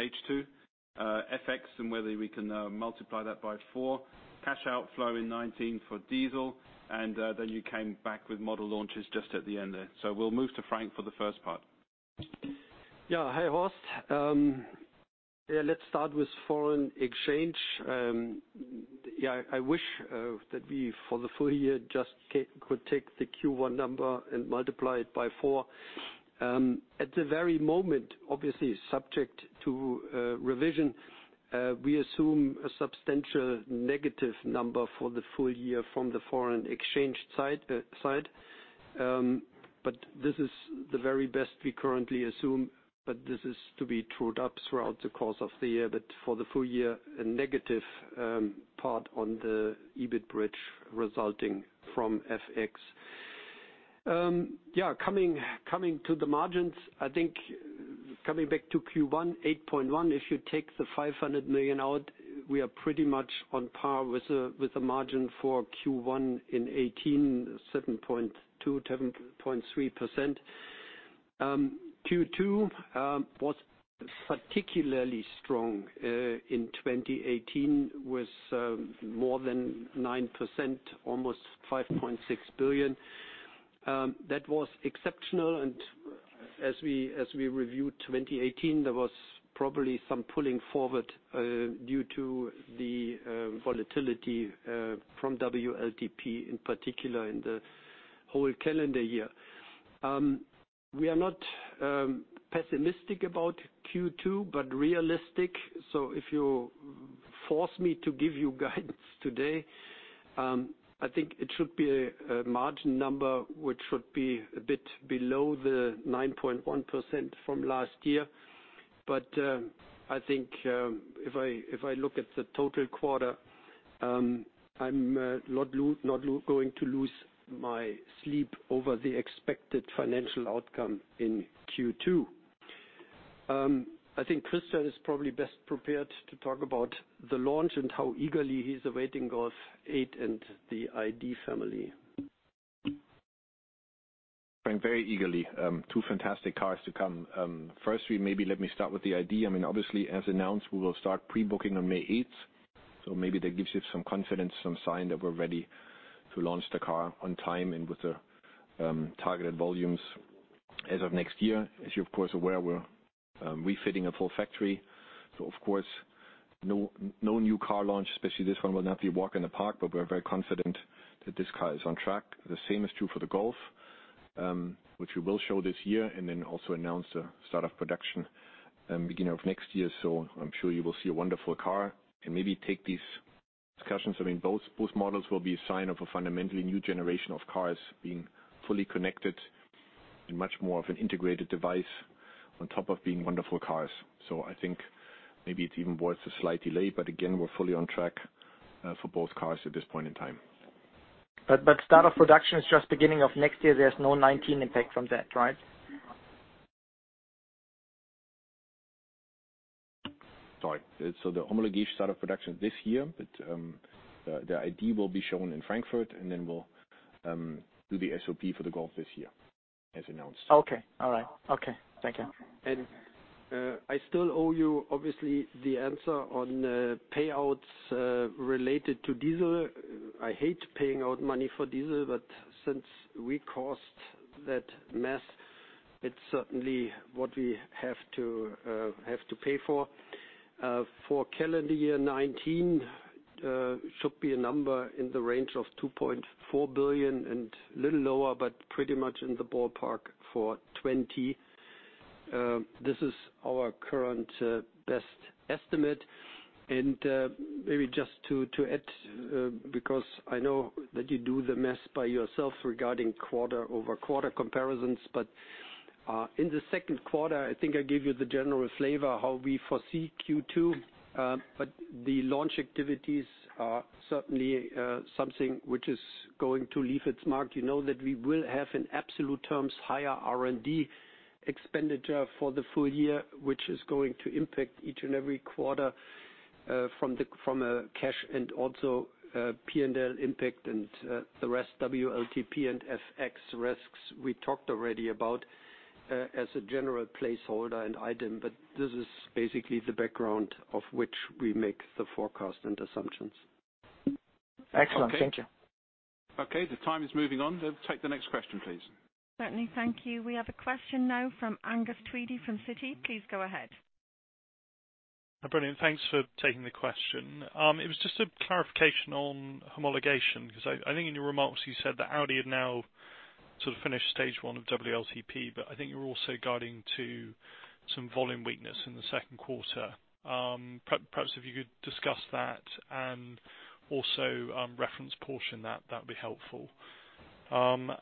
H2, FX, and whether we can multiply that by four, cash outflow in 2019 for diesel, then you came back with model launches just at the end here. We'll move to Frank for the first part. Hey, Horst. Let's start with foreign exchange. I wish that we, for the full year, just could take the Q1 number and multiply it by four. At the very moment, obviously subject to revision, we assume a substantial negative number for the full year from the foreign exchange side. This is the very best we currently assume, but this is to be trued up throughout the course of the year. For the full year, a negative part on the EBIT bridge resulting from FX. Coming to the margins, I think coming back to Q1, 8.1%, if you take the 500 million out, we are pretty much on par with the margin for Q1 in 2018, 7.2%-7.3%. Q2 was particularly strong in 2018 with more than 9%, almost 5.6 billion. That was exceptional, and as we reviewed 2018, here was probably some pulling forward due to the volatility from WLTP in particular in the whole calendar year. We are not pessimistic about Q2, but realistic. If you force me to give you guidance today, I think it should be a margin number which would be a bit below the 9.1% from last year. I think if I look at the total quarter, I'm not going to lose my sleep over the expected financial outcome in Q2. I think Christian is probably best prepared to talk about the launch and how eagerly he's awaiting Golf 8 and the ID. family. Frank, very eagerly. Two fantastic cars to come. First, maybe let me start with the ID. Obviously, as announced, we will start pre-booking on May 8th. Maybe that gives you some confidence, some sign that we're ready to launch the car on time and with the targeted volumes as of next year. As you, of course, are aware, we're refitting a full factory. Of course, no new car launch, especially this one, will not be a walk in the park, we're very confident that this car is on track. The same is true for the Golf, which we will show this year then also announce the start of production beginning of next year. I'm sure you will see a wonderful car and maybe take these discussions. Both models will be a sign of a fundamentally new generation of cars being fully connected and much more of an integrated device on top of being wonderful cars. I think maybe it's even worth a slight delay, again, we're fully on track for both cars at this point in time. Start of production is just beginning of next year. There's no 2019 impact from that, right? Sorry. The homologation start of production this year, the ID will be shown in Frankfurt, we'll do the SOP for the Golf this year, as announced. Okay. All right. Okay. Thank you. I still owe you, obviously, the answer on payouts related to diesel. I hate paying out money for diesel, but since we caused that mess, it is certainly what we have to pay for. For calendar year 2019, should be a number in the range of 2.4 billion and a little lower, but pretty much in the ballpark for 2020. This is our current best estimate. Maybe just to add, because I know that you do the math by yourself regarding quarter-over-quarter comparisons. In the second quarter, I think I gave you the general flavor how we foresee Q2, but the launch activities are certainly something which is going to leave its mark. You know that we will have, in absolute terms, higher R&D expenditure for the full year, which is going to impact each and every quarter from a cash and also P&L impact and the rest, WLTP and FX risks we talked already about as a general placeholder and item. This is basically the background of which we make the forecast and assumptions. Excellent. Thank you. Okay. The time is moving on. Take the next question, please. Certainly. Thank you. We have a question now from Angus Tweedie from Citi. Please go ahead. Hi. Brilliant. Thanks for taking the question. It was just a clarification on homologation, because I think in your remarks, you said that Audi had now finished phase one of WLTP, but I think you were also guiding to some volume weakness in the second quarter. Perhaps if you could discuss that and also reference Porsche that would be helpful. The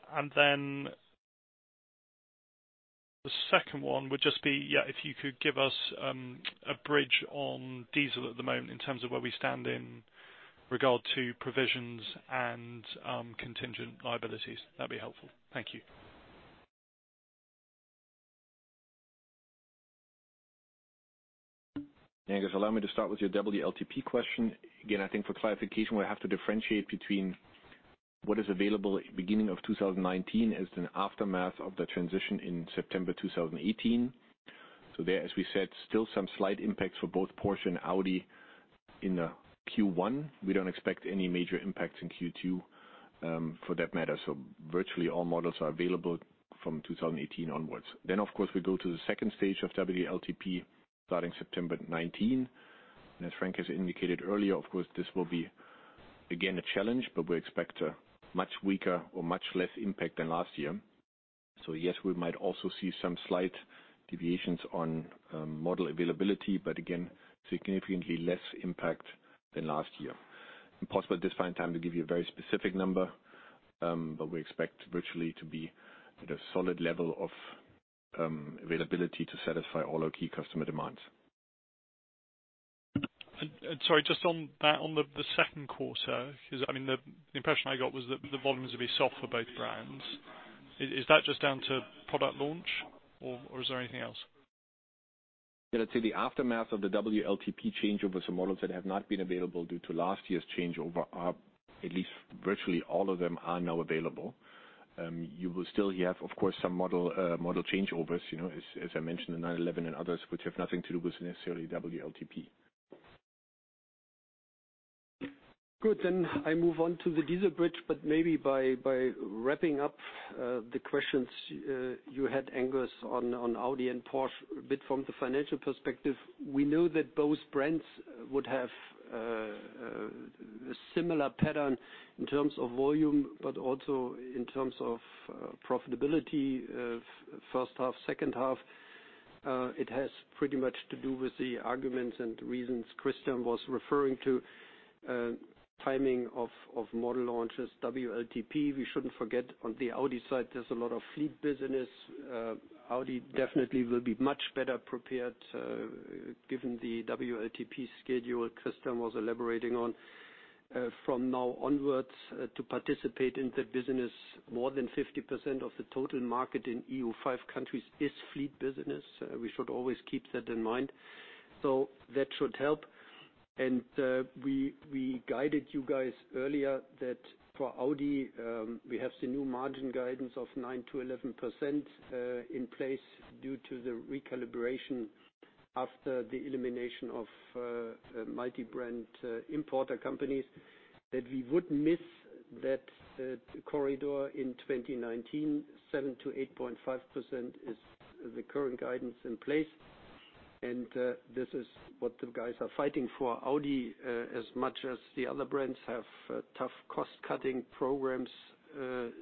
second one would just be, if you could give us a bridge on diesel at the moment in terms of where we stand in regard to provisions and contingent liabilities, that would be helpful. Thank you. Angus, allow me to start with your WLTP question. Again, I think for clarification, we have to differentiate between what is available beginning of 2019 as an aftermath of the transition in September 2018. Here, as we said, still some slight impacts for both Porsche and Audi in the Q1. We do not expect any major impacts in Q2 for that matter. Virtually all models are available from 2018 onwards. Of course, we go to the stage 2 of WLTP starting September 2019. As Frank has indicated earlier, of course, this will be again, a challenge, but we expect a much weaker or much less impact than last year. Yes, we might also see some slight deviations on model availability, but again, significantly less impact than last year. Impossible at this point in time to give you a very specific number, but we expect virtually to be at a solid level of availability to satisfy all our key customer demands. Sorry, just on that, on the second quarter, because the impression I got was that the volumes would be soft for both brands. Is that just down to product launch, or is there anything else? I'd say the aftermath of the WLTP changeover, some models that have not been available due to last year's changeover are at least virtually all of them are now available. You will still have, of course, some model changeovers, as I mentioned, the 911 and others, which have nothing to do with necessarily WLTP. Good. I move on to the diesel bridge, but maybe by wrapping up the questions you had, Angus, on Audi and Porsche a bit from the financial perspective. We know that both brands would have a similar pattern in terms of volume, but also in terms of profitability, first half, second half. It has pretty much to do with the arguments and reasons Christian was referring to, timing of model launches, WLTP. We shouldn't forget on the Audi side, there's a lot of fleet business. Audi definitely will be much better prepared, given the WLTP schedule Christian was elaborating on from now onwards to participate in that business. More than 50% of the total market in EU5 countries is fleet business. We should always keep that in mind. That should help. We guided you guys earlier that for Audi, we have the new margin guidance of 9%-11% in place due to the recalibration. After the elimination of multi-brand importer companies, that we would miss that corridor in 2019, 7%-8.5% is the current guidance in place. This is what the guys are fighting for. Audi, as much as the other brands, have tough cost-cutting programs to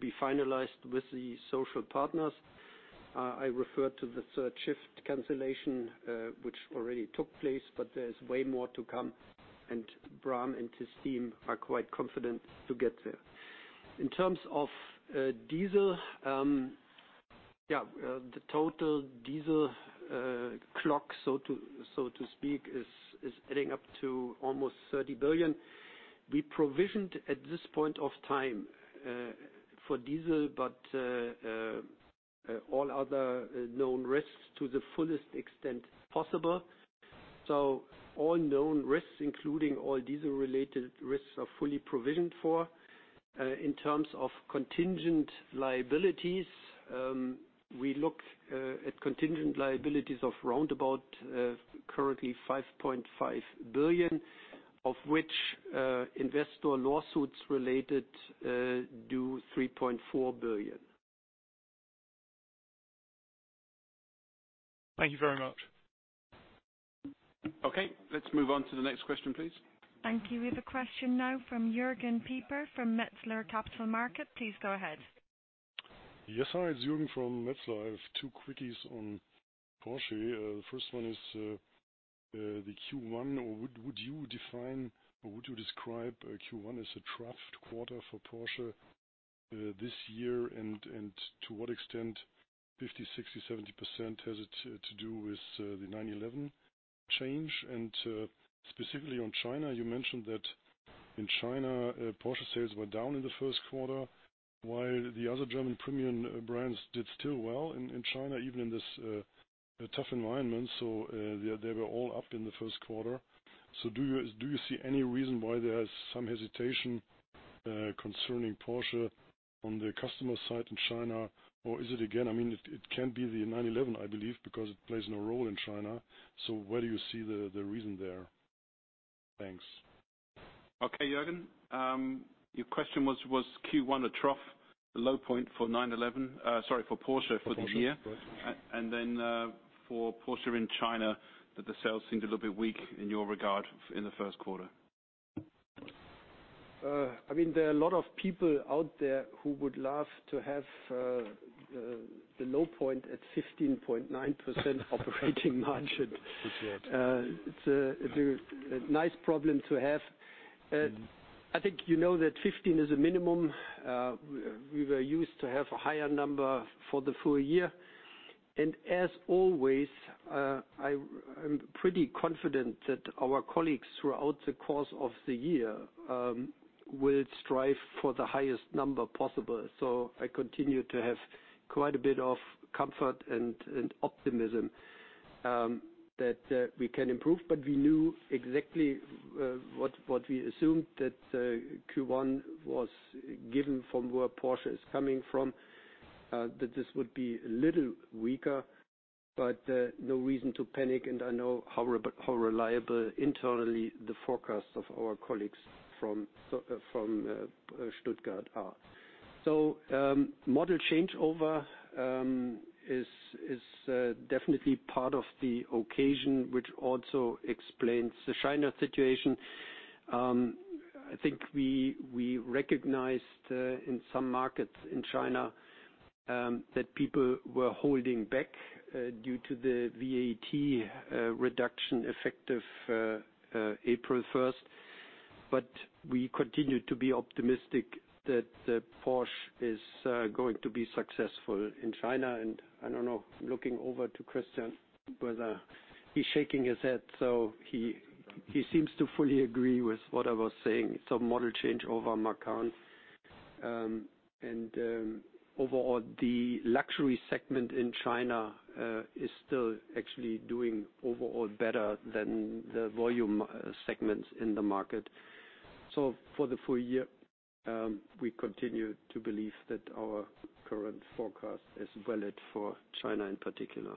be finalized with the social partners. I refer to the third shift cancellation, which already took place, but there is way more to come, and Bram and his team are quite confident to get there. In terms of diesel, the total diesel clock, so to speak, is adding up to almost 30 billion. We provisioned at this point of time for diesel, but all other known risks to the fullest extent possible. All known risks, including all diesel-related risks, are fully provisioned for. In terms of contingent liabilities, we look at contingent liabilities of roundabout, currently 5.5 billion, of which investor lawsuits related do 3.4 billion. Thank you very much. Let's move on to the next question, please. Thank you. We have a question now from Jürgen Pieper, from Metzler Capital Markets. Please go ahead. Yes, hi, it's Jürgen from Metzler. I have two quickies on Porsche. The first one is the Q1. Would you define or would you describe Q1 as a trough quarter for Porsche this year? To what extent, 50%, 60%, 70%, has it to do with the 911 change? Specifically on China, you mentioned that in China, Porsche sales were down in the first quarter, while the other German premium brands did still well in China, even in this tough environment. They were all up in the first quarter. Do you see any reason why there is some hesitation concerning Porsche on the customer side in China? Is it, again, it can be the 911, I believe, because it plays no role in China. Where do you see the reason there? Thanks. Okay, Jürgen. Your question was Q1 a trough, the low point for 911, sorry, for Porsche for this year? For Porsche. For Porsche in China, that the sales seemed a little bit weak in your regard in the first quarter. There are a lot of people out HERE who would love to have the low point at 15.9% operating margin. That's right. It's a nice problem to have. I think you know that 15 is a minimum. We were used to have a higher number for the full year. As always, I'm pretty confident that our colleagues throughout the course of the year will strive for the highest number possible. I continue to have quite a bit of comfort and optimism that we can improve. We knew exactly what we assumed that Q1 was given from where Porsche is coming from, that this would be a little weaker, but no reason to panic. I know how reliable internally the forecast of our colleagues from Stuttgart are. Model changeover is definitely part of the occasion, which also explains the China situation. I think we recognized in some markets in China that people were holding back due to the VAT reduction effective April 1st. We continue to be optimistic that Porsche is going to be successful in China. I don't know, looking over to Christian, whether he's shaking his head, he seems to fully agree with what I was saying. It's a model changeover on Macan. Overall, the luxury segment in China is still actually doing overall better than the volume segments in the market. For the full year, we continue to believe that our current forecast is valid for China in particular.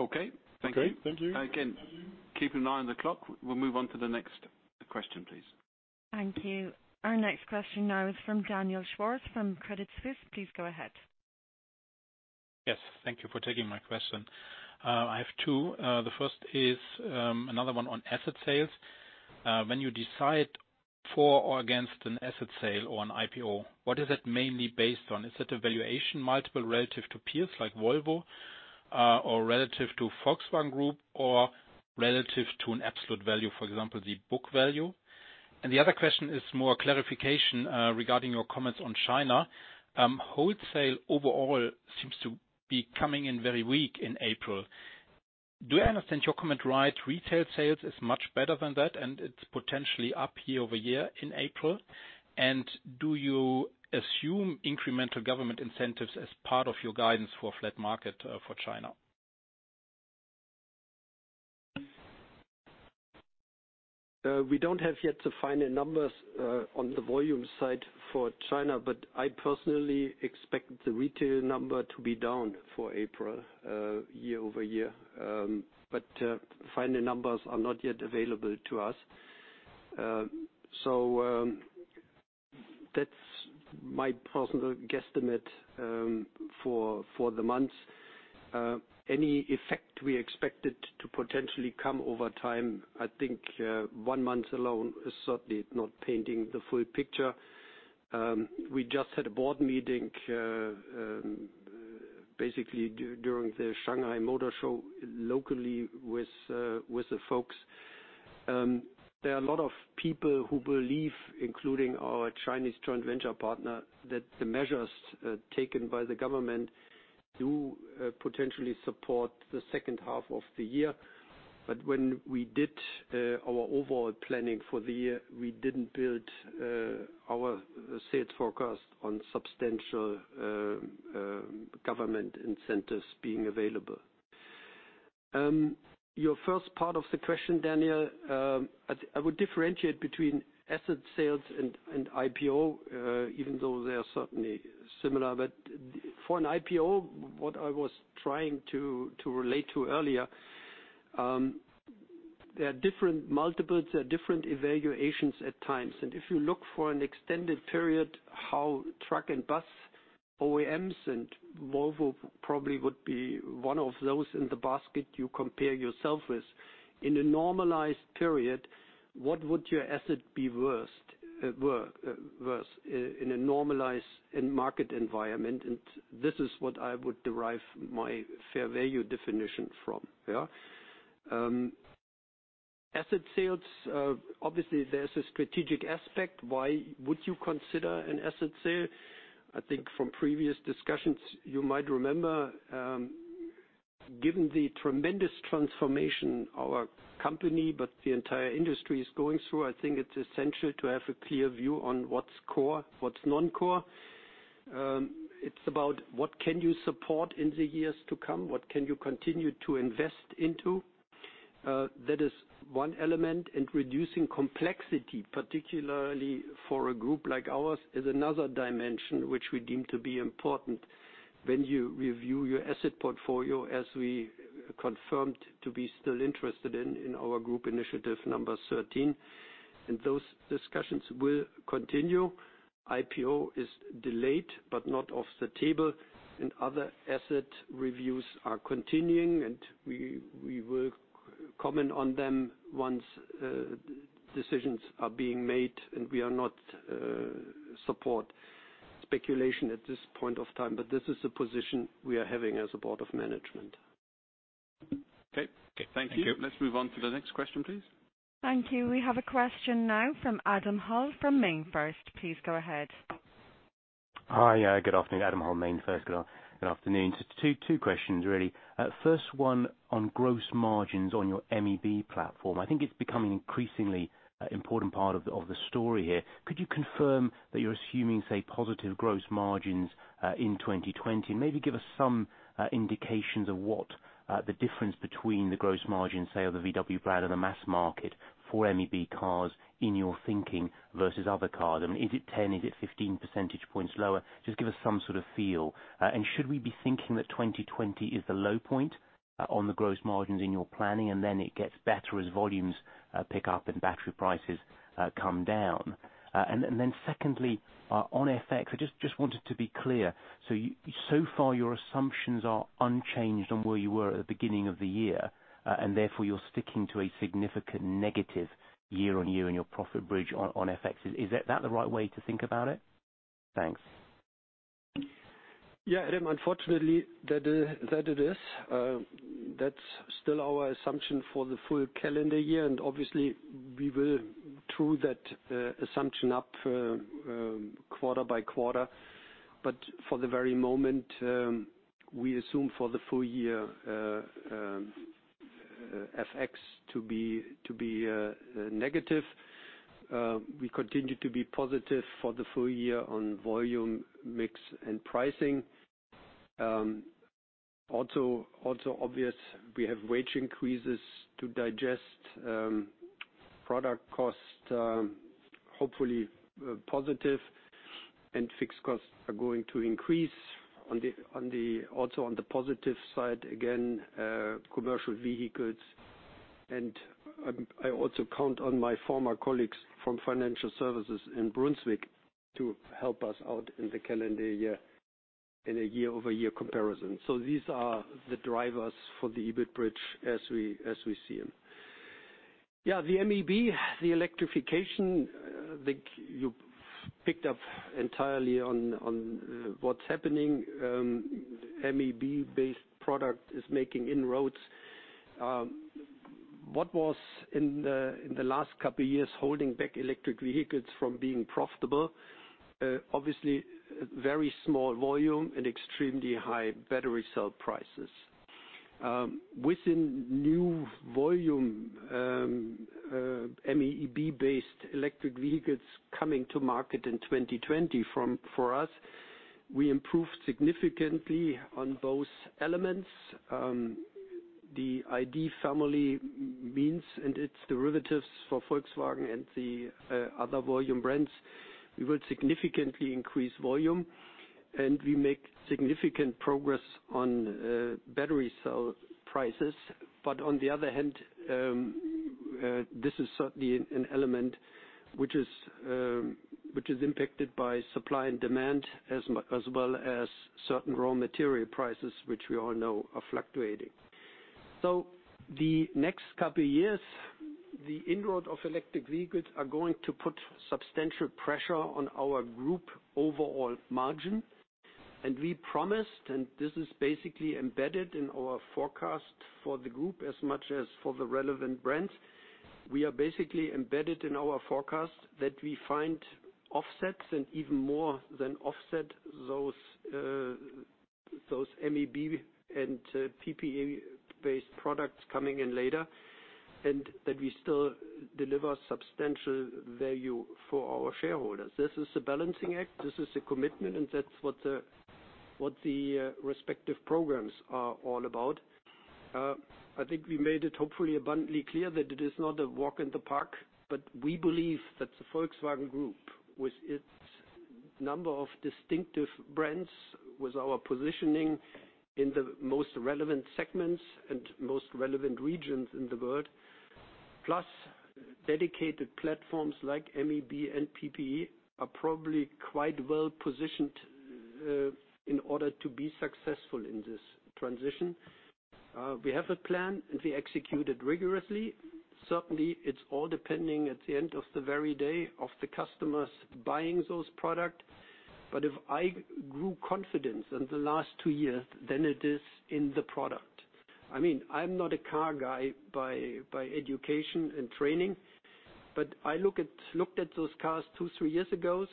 Okay. Thank you. Okay. Thank you. Again, keep an eye on the clock. We'll move on to the next question, please. Thank you. Our next question now is from Daniel Schwarz from Credit Suisse. Please go ahead. Yes. Thank you for taking my question. I have two. The first is another one on asset sales. When you decide for or against an asset sale or an IPO, what is it mainly based on? Is it a valuation multiple relative to peers like Volvo, or relative to Volkswagen Group, or relative to an absolute value, for example, the book value? The other question is more clarification regarding your comments on China. Wholesale overall seems to be coming in very weak in April. Do I understand your comment right? Retail sales is much better than that, it's potentially up year-over-year in April. Do you assume incremental government incentives as part of your guidance for a flat market for China? We don't have yet the final numbers on the volume side for China, but I personally expect the retail number to be down for April, year-over-year. Final numbers are not yet available to us. That's my personal guesstimate for the month. Any effect we expected to potentially come over time, I think one month alone is certainly not painting the full picture. We just had a board meeting, basically during the Shanghai Motor Show locally with the folks. There are a lot of people who believe, including our Chinese joint venture partner, that the measures taken by the government do potentially support the second half of the year. When we did our overall planning for the year, we didn't build our sales forecast on substantial government incentives being available. Your first part of the question, Daniel, I would differentiate between asset sales and IPO, even though they are certainly similar. For an IPO, what I was trying to relate to earlier, here are different multiples, here are different evaluations at times. If you look for an extended period, how truck and bus OEMs and Volvo probably would be one of those in the basket you compare yourself with. In a normalized period, what would your asset be worth in a normalized end market environment? This is what I would derive my fair value definition from, yeah. Asset sales, obviously, here's a strategic aspect. Why would you consider an asset sale? I think from previous discussions, you might remember, given the tremendous transformation our company, but the entire industry is going through, I think it's essential to have a clear view on what's core, what's non-core. It's about what can you support in the years to come? What can you continue to invest into? That is one element, reducing complexity, particularly for a group like ours, is another dimension which we deem to be important when you review your asset portfolio, as we confirmed to be still interested in our group initiative number 13. Those discussions will continue. IPO is delayed, but not off the table, and other asset reviews are continuing, and we will comment on them once decisions are being made, and we are not support speculation at this point of time. This is the position we are having as a board of management. Okay. Thank you. Thank you. Let's move on to the next question, please. Thank you. We have a question now from Adam Hull from MainFirst. Please go ahead. Hi. Good afternoon. Adam Hull, MainFirst. Good afternoon. Just two questions really. First one on gross margins on your MEB platform. I think it is becoming increasingly an important part of the story here. Could you confirm that you are assuming, say, positive gross margins in 2020? Maybe give us some indications of what the difference between the gross margin, say, of the VW brand and the mass market for MEB cars in your thinking versus other cars. I mean, is it 10? Is it 15 percentage points lower? Just give us some sort of feel. Should we be thinking that 2020 is the low point on the gross margins in your planning, and then it gets better as volumes pick up and battery prices come down? Secondly, on FX, I just wanted to be clear. Far your assumptions are unchanged on where you were at the beginning of the year, and therefore you are sticking to a significant negative year-on-year in your profit bridge on FX. Is that the right way to think about it? Thanks. Adam, unfortunately that it is. That is still our assumption for the full calendar year, and obviously we will true that assumption up quarter-by-quarter. For the very moment, we assume for the full year, FX to be negative. We continue to be positive for the full year on volume, mix, and pricing. Obvious, we have wage increases to digest. Product cost, hopefully positive, and fixed costs are going to increase. On the positive side, again, commercial vehicles. I also count on my former colleagues from Volkswagen Financial Services in Braunschweig to help us out in the calendar year in a year-over-year comparison. These are the drivers for the EBIT bridge as we see them. The MEB, the electrification, I think you picked up entirely on what is happening. MEB-based product is making inroads. What was in the last couple of years holding back electric vehicles from being profitable, obviously very small volume and extremely high battery cell prices. Within new volume MEB-based electric vehicles coming to market in 2020 for us. We improved significantly on those elements. The ID. family means and its derivatives for Volkswagen and the other volume brands, we will significantly increase volume and we make significant progress on battery cell prices. On the other hand, this is certainly an element which is impacted by supply and demand as well as certain raw material prices, which we all know are fluctuating. The next couple of years, the inroad of electric vehicles are going to put substantial pressure on our group overall margin. We promised, and this is basically embedded in our forecast for the group as much as for the relevant brands. We are basically embedded in our forecast that we find offsets and even more than offset those MEB and PPE-based products coming in later, and that we still deliver substantial value for our shareholders. This is a balancing act. This is a commitment, and that's what the respective programs are all about. I think we made it hopefully abundantly clear that it is not a walk in the park. We believe that the Volkswagen Group, with its number of distinctive brands, with our positioning in the most relevant segments and most relevant regions in the world. Plus dedicated platforms like MEB and PPE are probably quite well-positioned in order to be successful in this transition. We have a plan, and we execute it rigorously. Certainly, it's all depending at the end of the very day of the customers buying those product. If I grew confidence in the last two years, then it is in the product. I'm not a car guy by education and training, but I looked at those cars two, three years ago,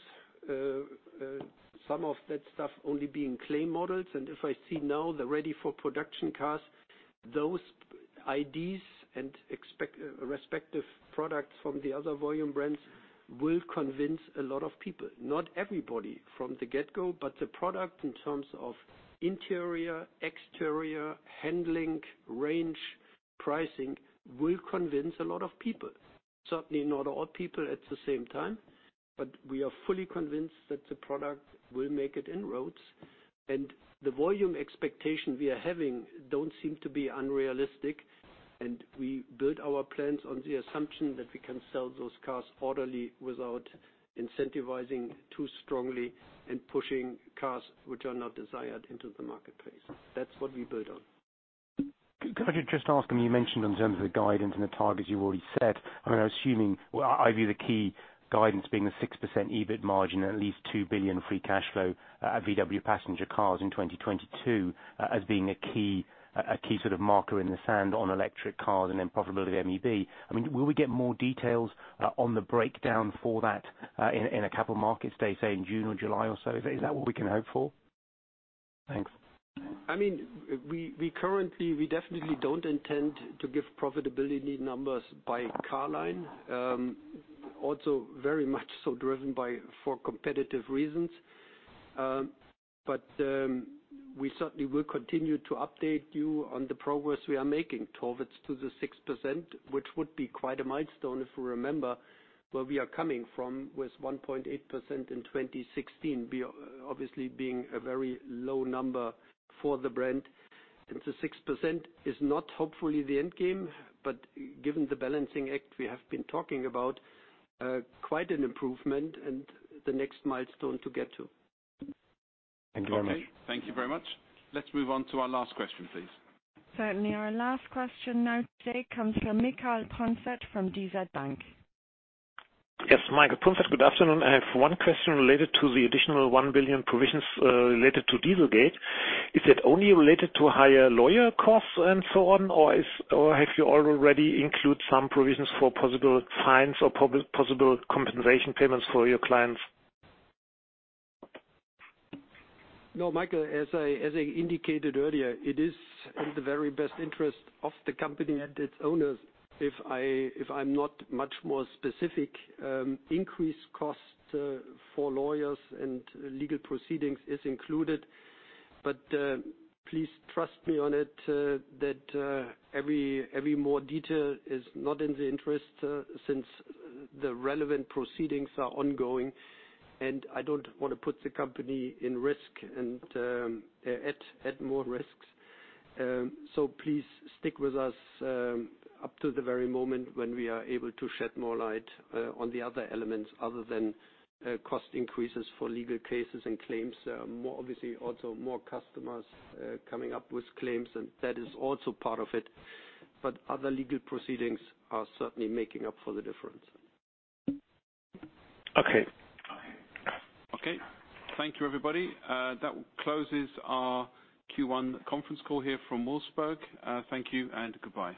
some of that stuff only being clay models. If I see now the ready-for-production cars, those IDs and respective products from the other volume brands will convince a lot of people. Not everybody from the get-go, but the product in terms of interior, exterior, handling, range, pricing will convince a lot of people. Certainly not all people at the same time, but we are fully convinced that the product will make inroads. The volume expectation we are having don't seem to be unrealistic, and we build our plans on the assumption that we can sell those cars orderly without incentivizing too strongly and pushing cars which are not desired into the marketplace. That's what we build on. Could I just ask, I mean, you mentioned in terms of the guidance and the targets you've already set, I mean, I view the key guidance being the 6% EBIT margin, at least 2 billion free cash flow at Volkswagen Passenger Cars in 2022 as being a key sort of marker in the sand on electric cars and then profitability of MEB. Will we get more details on the breakdown for that in a Capital Markets Day, say, in June or July or so? Is that what we can hope for? Thanks. We definitely don't intend to give profitability numbers by car line. Also very much so driven by for competitive reasons. We certainly will continue to update you on the progress we are making towards to the 6%, which would be quite a milestone if we remember where we are coming from with 1.8% in 2016, obviously being a very low number for the brand. The 6% is not hopefully the end game, but given the balancing act we have been talking about, quite an improvement and the next milestone to get to. Thank you very much. Okay. Thank you very much. Let's move on to our last question, please. Certainly. Our last question now today comes from Michael Punzet from DZ Bank. Yes, Michael Punzet, good afternoon. I have one question related to the additional 1 billion provisions related to Dieselgate. Is it only related to higher lawyer costs and so on, or have you already include some provisions for possible fines or possible compensation payments for your clients? No, Michael, as I indicated earlier, it is in the very best interest of the company and its owners. If I'm not much more specific, increased cost for lawyers and legal proceedings is included. Please trust me on it that every more detail is not in the interest since the relevant proceedings are ongoing, and I don't want to put the company in risk and add more risks. Please stick with us up to the very moment when we are able to shed more light on the other elements other than cost increases for legal cases and claims. Obviously, also more customers coming up with claims, and that is also part of it, but other legal proceedings are certainly making up for the difference. Okay. Okay. Thank you, everybody. That closes our Q1 conference call here from Wolfsburg. Thank you and goodbye.